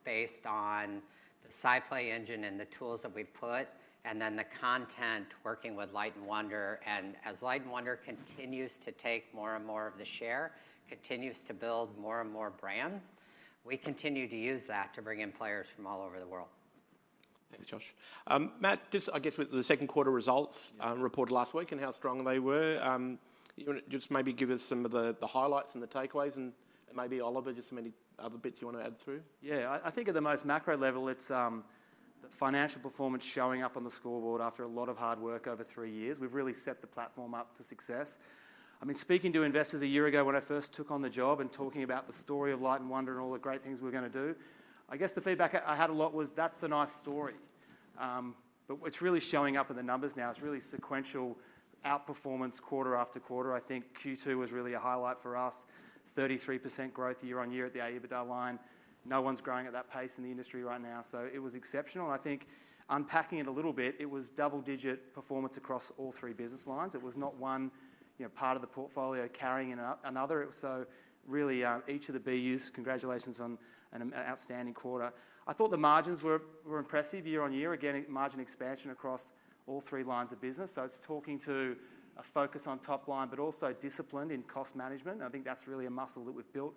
based on the SciPlay engine and the tools that we've put, and then the content working with Light & Wonder, and as Light & Wonder continues to take more and more of the share, continues to build more and more brands, we continue to use that to bring in players from all over the world. Thanks, Josh. Matt, just I guess with the second quarter results reported last week and how strong they were, you wanna just maybe give us some of the highlights and the takeaways, and maybe Oliver, just some any other bits you wanna add through? Yeah, I think at the most macro level, it's the financial performance showing up on the scoreboard after a lot of hard work over three years. We've really set the platform up for success. I mean, speaking to investors a year ago when I first took on the job and talking about the story of Light & Wonder and all the great things we're gonna do, I guess the feedback I had a lot was: "That's a nice story." But it's really showing up in the numbers now. It's really sequential outperformance quarter after quarter. I think Q2 was really a highlight for us, 33% growth year on year at the EBITDA line. No one's growing at that pace in the industry right now, so it was exceptional. And I think unpacking it a little bit, it was double-digit performance across all three business lines. It was not one, you know, part of the portfolio carrying another. So really, each of the BUs, congratulations on an outstanding quarter. I thought the margins were impressive year on year. Again, margin expansion across all three lines of business. So it's talking to a focus on top line, but also disciplined in cost management, and I think that's really a muscle that we've built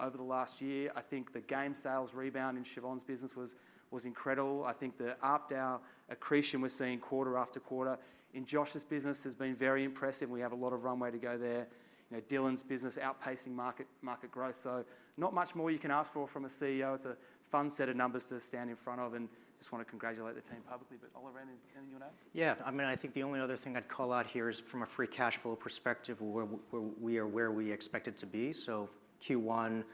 over the last year. I think the game sales rebound in Siobhan's business was incredible. I think the ARPDAU accretion we're seeing quarter after quarter in Josh's business has been very impressive, and we have a lot of runway to go there. You know, Dylan's business outpacing market growth, so not much more you can ask for from a CEO. It's a fun set of numbers to stand in front of, and just wanna congratulate the team publicly. But, Oliver, anything you wanna add? Yeah. I mean, I think the only other thing I'd call out here is from a free cash flow perspective, where we are, where we expect it to be. So Q1,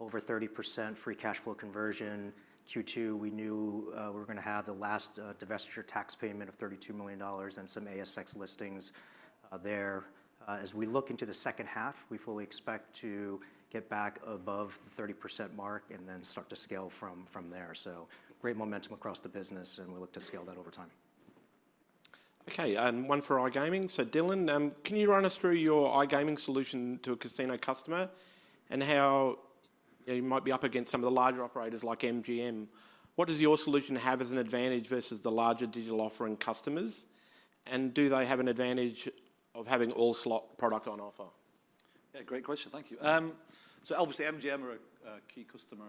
over 30% free cash flow conversion. Q2, we knew we were gonna have the last divestiture tax payment of $32 million and some ASX listings there. As we look into the second half, we fully expect to get back above the 30% mark and then start to scale from there. So great momentum across the business, and we look to scale that over time. Okay, and one for iGaming. So, Dylan, can you run us through your iGaming solution to a casino customer and how you might be up against some of the larger operators like MGM? What does your solution have as an advantage versus the larger digital offering customers, and do they have an advantage of having all slot product on offer? Yeah, great question. Thank you. So obviously, MGM are a key customer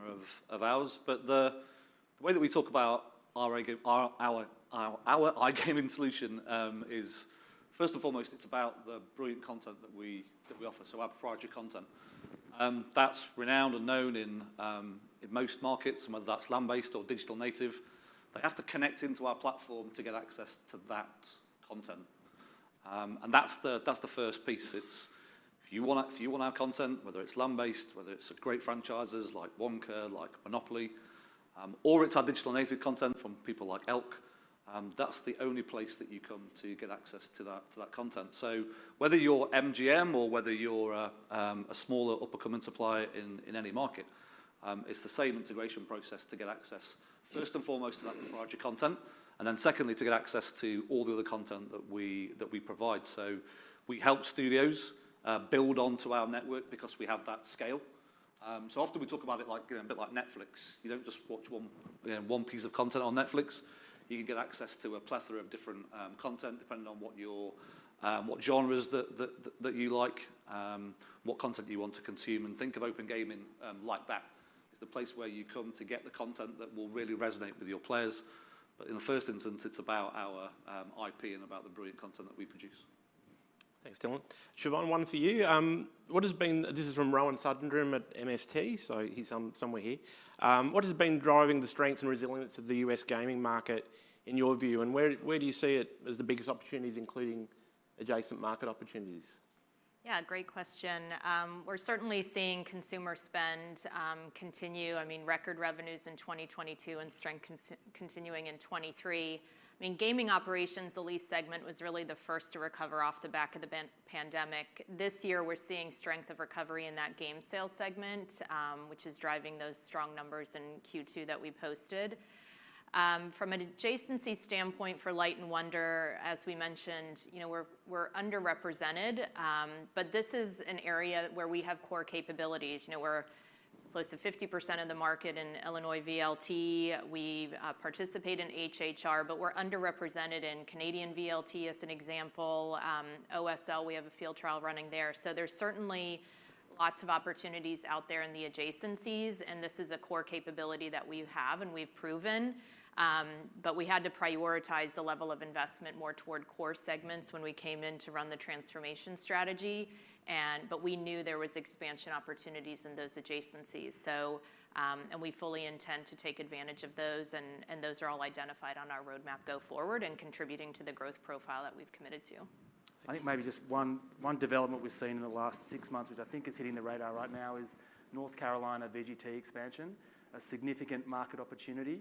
of ours, but the way that we talk about our iGaming solution is, first and foremost, it's about the brilliant content that we offer, so our proprietary content. That's renowned and known in most markets, whether that's land-based or digital native. They have to connect into our platform to get access to that content. And that's the first piece. It's if you want our content, whether it's land-based, whether it's great franchises like Wonka, like Monopoly, or it's our digital native content from people like Elk, that's the only place that you come to get access to that content. So whether you're MGM or whether you're a smaller up-and-coming supplier in any market, it's the same integration process to get access, first and foremost, to that proprietary content, and then secondly, to get access to all the other content that we provide. We help studios build onto our network because we have that scale. Often we talk about it like a bit like Netflix. You don't just watch one, you know, one piece of content on Netflix. You can get access to a plethora of different content, depending on what your genres that you like, what content you want to consume. Think of OpenGaming like that. It's the place where you come to get the content that will really resonate with your players. But in the first instance, it's about our IP and about the brilliant content that we produce. Thanks, Dylan. Siobhan, one for you. This is from Rohan Sundram at MST, so he's somewhere here. What has been driving the strengths and resilience of the U.S. gaming market in your view, and where do you see it as the biggest opportunities, including adjacent market opportunities? Yeah, great question. We're certainly seeing consumer spend continue. I mean, record revenues in 2022 and strength continuing in 2023. I mean, gaming operations, the lease segment, was really the first to recover off the back of the pandemic. This year, we're seeing strength of recovery in that game sales segment, which is driving those strong numbers in Q2 that we posted. From an adjacency standpoint, for Light & Wonder, as we mentioned, you know, we're underrepresented, but this is an area where we have core capabilities. You know, we're close to 50% of the market in Illinois VLT. We participate in HHR, but we're underrepresented in Canadian VLT as an example. Ontario, we have a field trial running there. So there's certainly lots of opportunities out there in the adjacencies, and this is a core capability that we have and we've proven. But we had to prioritize the level of investment more toward core segments when we came in to run the transformation strategy, and but we knew there was expansion opportunities in those adjacencies. And we fully intend to take advantage of those, and those are all identified on our roadmap go forward and contributing to the growth profile that we've committed to. I think maybe just one development we've seen in the last six months, which I think is hitting the radar right now, is North Carolina VGT expansion, a significant market opportunity.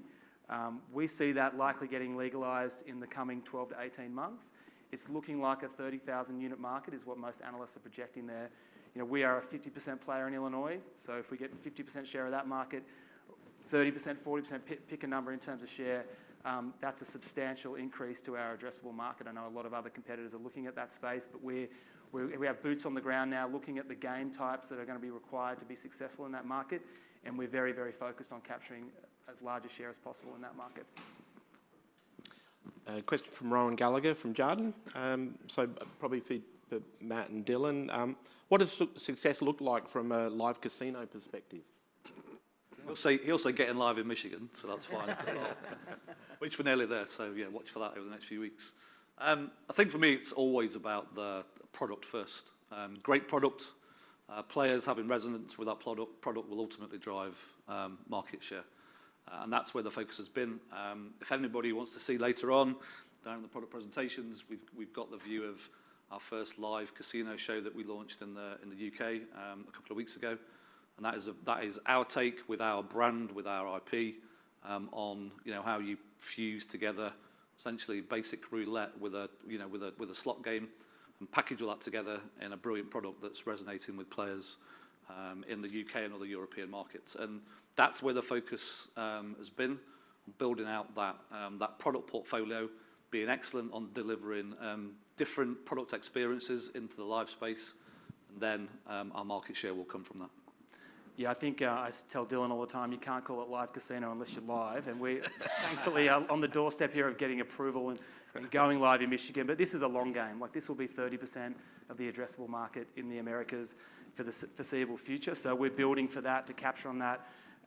We see that likely getting legalized in the coming 12 to 18 months. It's looking like a 30,000-unit market, is what most analysts are projecting there. You know, we are a 50% player in Illinois, so if we get 50% share of that market 30%, 40%, pick a number in terms of share, that's a substantial increase to our addressable market. I know a lot of other competitors are looking at that space, but we have boots on the ground now, looking at the game types that are gonna be required to be successful in that market, and we're very, very focused on capturing as large a share as possible in that market. A question from Rohan Gallagher from Jarden. So probably for Matt and Dylan. What does success look like from a live casino perspective? He's also asking about getting live in Michigan, so that's fine. Which we're nearly there, so yeah, watch for that over the next few weeks. I think for me it's always about the product first. Great product, players having resonance with our product, product will ultimately drive market share. And that's where the focus has been. If anybody wants to see later on, down in the product presentations, we've got the view of our first live casino show that we launched in the UK a couple of weeks ago. And that is our take with our brand, with our IP, on you know how you fuse together essentially basic roulette with a you know slot game, and package all that together in a brilliant product that's resonating with players in the UK and other European markets. And that's where the focus has been, building out that product portfolio, being excellent on delivering different product experiences into the live space, and then our market share will come from that. Yeah, I think, I tell Dylan all the time, "You can't call it live casino unless you're live." And we thankfully are on the doorstep here of getting approval and- Right... going live in Michigan. But this is a long game. Like, this will be 30% of the addressable market in the Americas for the foreseeable future. So we're building for that to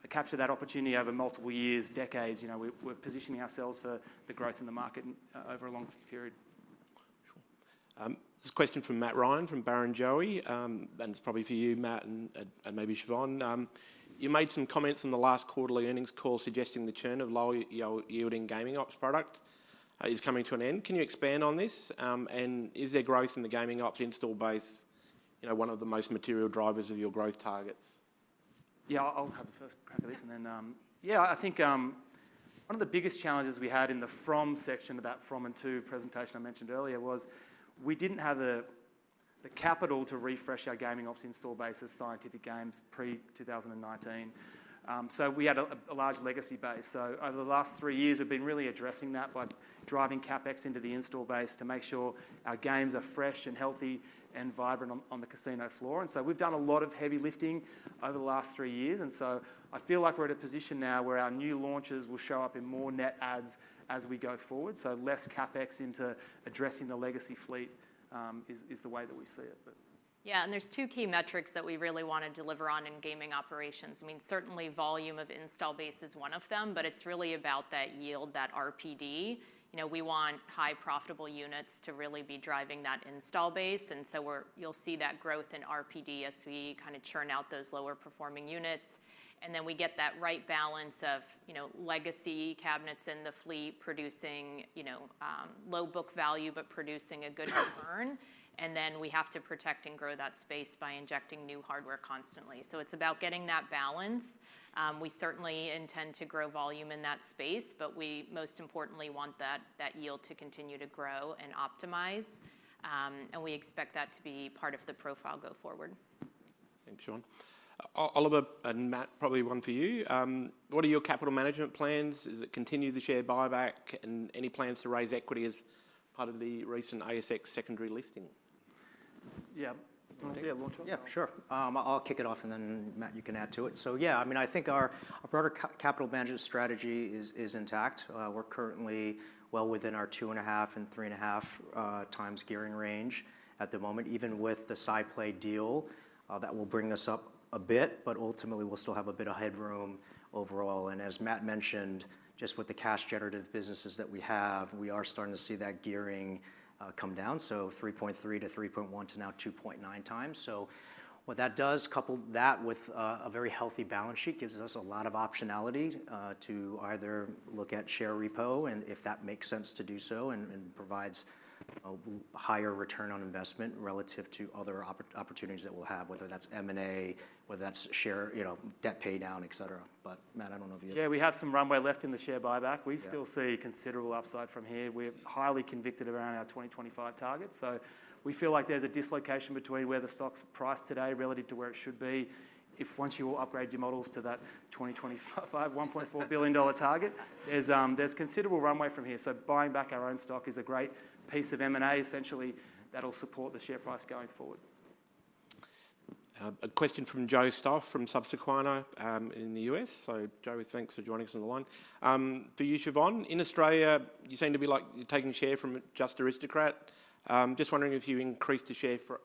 capture that opportunity over multiple years, decades. You know, we're positioning ourselves for the growth in the market over a long period. This question from Matt Ryan, from Barrenjoey. And it's probably for you, Matt, and maybe Siobhan. You made some comments on the last quarterly earnings call suggesting the churn of low-yielding gaming ops product is coming to an end. Can you expand on this? And is there growth in the gaming ops install base, you know, one of the most material drivers of your growth targets? Yeah, I'll have the first crack at this, and then... Yeah, I think one of the biggest challenges we had in the from section of that from and to presentation I mentioned earlier was we didn't have the, the capital to refresh our gaming ops install base as Scientific Games pre-2019. So we had a, a large legacy base. So over the last three years, we've been really addressing that by driving CapEx into the install base to make sure our games are fresh, and healthy, and vibrant on the casino floor. And so we've done a lot of heavy lifting over the last three years, and so I feel like we're at a position now where our new launches will show up in more net adds as we go forward. So less CapEx into addressing the legacy fleet is the way that we see it, but. Yeah, and there's two key metrics that we really wanna deliver on in gaming operations. I mean, certainly volume of install base is one of them, but it's really about that yield, that RPD. You know, we want high profitable units to really be driving that install base, and so we're—you'll see that growth in RPD as we kinda churn out those lower performing units. And then we get that right balance of, you know, legacy cabinets in the fleet producing, you know, low book value, but producing a good return. And then we have to protect and grow that space by injecting new hardware constantly. So it's about getting that balance. We certainly intend to grow volume in that space, but we most importantly want that, that yield to continue to grow and optimize. And we expect that to be part of the profile go forward. Thanks, Siobhan. Oliver and Matt, probably one for you. What are your capital management plans? Is it continue the share buyback, and any plans to raise equity as part of the recent ASX secondary listing? Yeah. You wanna take it? Yeah. Yeah, sure. I'll kick it off, and then, Matt, you can add to it. So yeah, I mean, I think our broader capital management strategy is intact. We're currently well within our 2.5-3.5 times gearing range at the moment, even with the SciPlay deal. That will bring us up a bit, but ultimately we'll still have a bit of headroom overall. And as Matt mentioned, just with the cash generative businesses that we have, we are starting to see that gearing come down, so 3.3 to 3.1 to now 2.9 times. So what that does, couple that with a very healthy balance sheet, gives us a lot of optionality to either look at share repo, and if that makes sense to do so, and provides a higher return on investment relative to other opportunities that we'll have, whether that's M&A, whether that's share, you know, debt pay down, et cetera. But Matt, I don't know if you- Yeah, we have some runway left in the share buyback. Yeah. We still see considerable upside from here. We're highly convicted around our 2025 target, so we feel like there's a dislocation between where the stock's priced today relative to where it should be. If once you upgrade your models to that 2025 $1.4 billion target, there's considerable runway from here. So buying back our own stock is a great piece of M&A, essentially, that'll support the share price going forward. A question from Joe Stauff from Susquehanna, in the US. So Joe, thanks for joining us on the line. For you, Siobhan, in Australia, you seem to be, like, you're taking share from just Aristocrat. Just wondering if you increased the share for,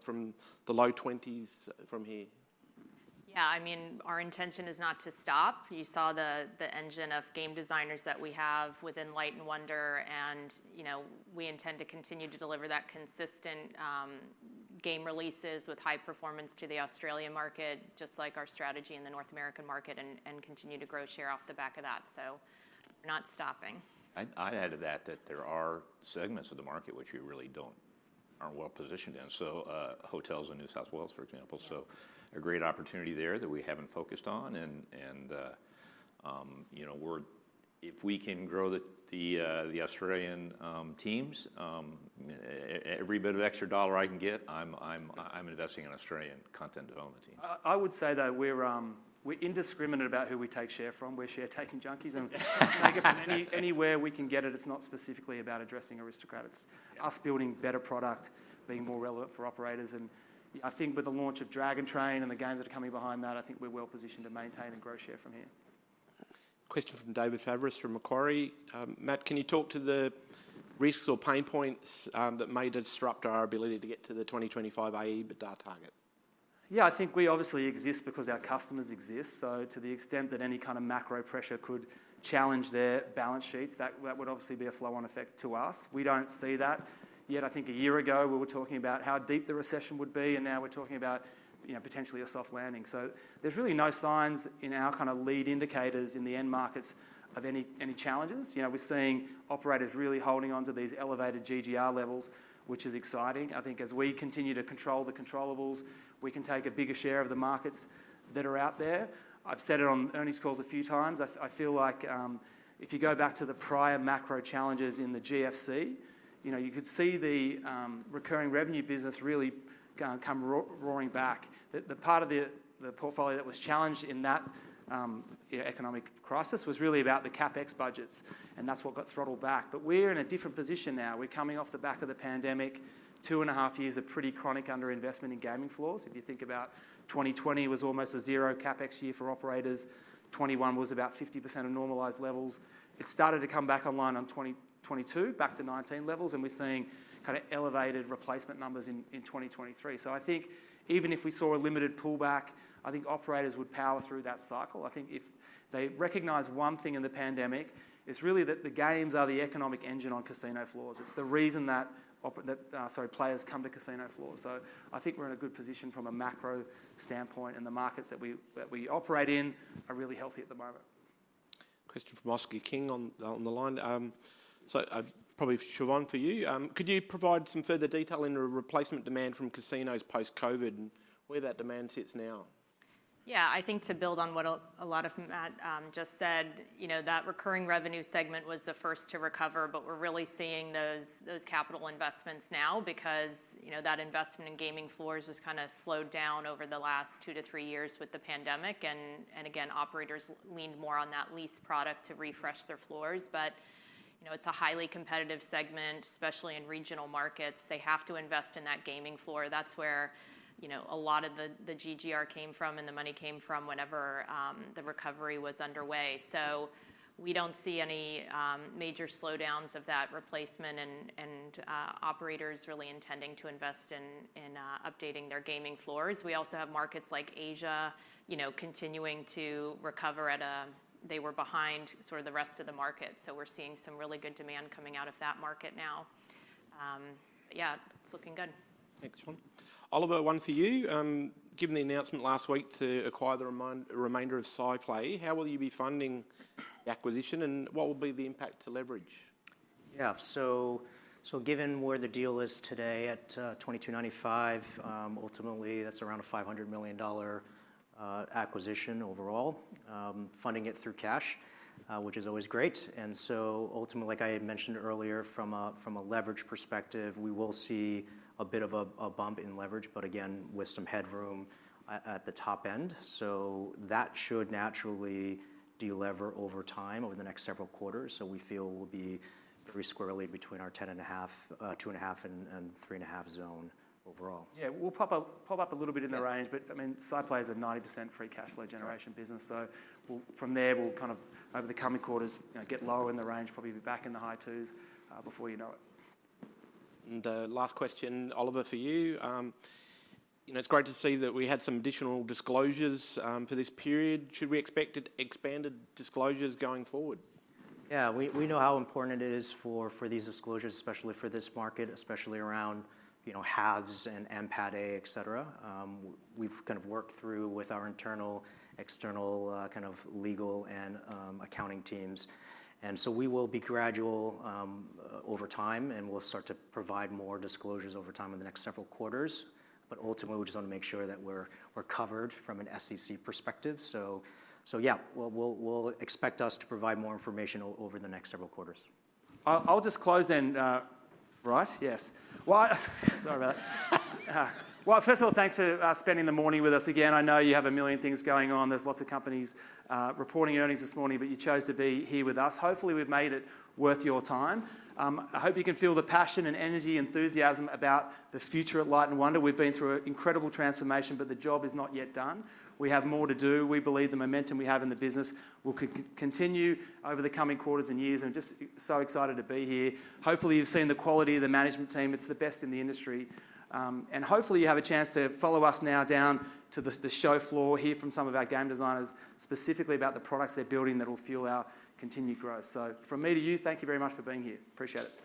from the low twenties from here? Yeah, I mean, our intention is not to stop. You saw the engine of game designers that we have within Light & Wonder, and, you know, we intend to continue to deliver that consistent game releases with high performance to the Australian market, just like our strategy in the North American market, and continue to grow share off the back of that, so not stopping. Mm. I'd add to that, that there are segments of the market which we really aren't well positioned in, so, hotels in New South Wales, for example. Yeah. So a great opportunity there that we haven't focused on, and you know, we're-... if we can grow the Australian teams, every bit of extra dollar I can get, I'm investing in Australian content development team. I would say that we're indiscriminate about who we take share from. We're share taking junkies, and take it from anywhere we can get it. It's not specifically about addressing Aristocrat. It's- Yeah... us building better product, being more relevant for operators. And I think with the launch of Dragon Train and the games that are coming behind that, I think we're well positioned to maintain and grow share from here. Question from David Fabris, from Macquarie. Matt, can you talk to the risks or pain points that may disrupt our ability to get to the 2025 AEBITDA target? Yeah, I think we obviously exist because our customers exist. So to the extent that any kind of macro pressure could challenge their balance sheets, that would obviously be a flow-on effect to us. We don't see that. Yet, I think a year ago, we were talking about how deep the recession would be, and now we're talking about, you know, potentially a soft landing. So there's really no signs in our kind of lead indicators in the end markets of any challenges. You know, we're seeing operators really holding on to these elevated GGR levels, which is exciting. I think as we continue to control the controllables, we can take a bigger share of the markets that are out there. I've said it on earnings calls a few times. I feel like, if you go back to the prior macro challenges in the GFC, you know, you could see the recurring revenue business really go roaring back. The part of the portfolio that was challenged in that, you know, economic crisis was really about the CapEx budgets, and that's what got throttled back. But we're in a different position now. We're coming off the back of the pandemic, two and a half years of pretty chronic underinvestment in gaming floors. If you think about twenty twenty was almost a zero CapEx year for operators, 2021 was about 50% of normalized levels. It started to come back online on twenty twenty-two, back to 2019 levels, and we're seeing kind of elevated replacement numbers in twenty twenty-three. So I think even if we saw a limited pullback, I think operators would power through that cycle. I think if they recognized one thing in the pandemic, it's really that the games are the economic engine on casino floors. It's the reason that players come to casino floors. So I think we're in a good position from a macro standpoint, and the markets that we operate in are really healthy at the moment. Question from Oscar King on the line. So I've probably Siobhan, for you. Could you provide some further detail into the replacement demand from casinos post-COVID and where that demand sits now? Yeah, I think to build on what a lot of Matt just said, you know, that recurring revenue segment was the first to recover, but we're really seeing those capital investments now. Because, you know, that investment in gaming floors was kind of slowed down over the last two to three years with the pandemic, and again, operators leaned more on that lease product to refresh their floors. But, you know, it's a highly competitive segment. Especially in regional markets, they have to invest in that gaming floor. That's where, you know, a lot of the GGR came from, and the money came from whenever the recovery was underway. So we don't see any major slowdowns of that replacement and operators really intending to invest in updating their gaming floors. We also have markets like Asia, you know, continuing to recover at a... They were behind sort of the rest of the market. So we're seeing some really good demand coming out of that market now. Yeah, it's looking good. Excellent. Oliver, one for you. Given the announcement last week to acquire the remainder of SciPlay, how will you be funding the acquisition, and what will be the impact to leverage? Yeah. So given where the deal is today at 22.95, ultimately, that's around a $500 million acquisition overall. Funding it through cash, which is always great. And so ultimately, like I had mentioned earlier, from a leverage perspective, we will see a bit of a bump in leverage, but again, with some headroom at the top end. So that should naturally delever over time, over the next several quarters. So we feel we'll be pretty squarely between our 2.5 and 3.5 zone overall. Yeah, we'll pop up a little bit in the range. Yeah. But, I mean, SciPlay is a 90% free cash flow generation business. That's right. So from there, we'll kind of, over the coming quarters, you know, get lower in the range, probably be back in the high twos, before you know it. Last question, Oliver, for you. You know, it's great to see that we had some additional disclosures for this period. Should we expect expanded disclosures going forward? Yeah, we know how important it is for these disclosures, especially for this market, especially around, you know, halves and NPAT, et cetera. We've kind of worked through with our internal, external, kind of legal and accounting teams. And so we will be gradual over time, and we'll start to provide more disclosures over time in the next several quarters. But ultimately, we just want to make sure that we're covered from an SEC perspective. So yeah, we'll expect us to provide more information over the next several quarters. I'll just close then. Right? Yes. Well, sorry about that. Well, first of all, thanks for spending the morning with us again. I know you have a million things going on. There's lots of companies reporting earnings this morning, but you chose to be here with us. Hopefully, we've made it worth your time. I hope you can feel the passion and energy, enthusiasm about the future at Light & Wonder. We've been through an incredible transformation, but the job is not yet done. We have more to do. We believe the momentum we have in the business will continue over the coming quarters and years, and I'm just so excited to be here. Hopefully, you've seen the quality of the management team. It's the best in the industry. And hopefully, you have a chance to follow us now down to the show floor, hear from some of our game designers, specifically about the products they're building that will fuel our continued growth. So from me to you, thank you very much for being here. Appreciate it.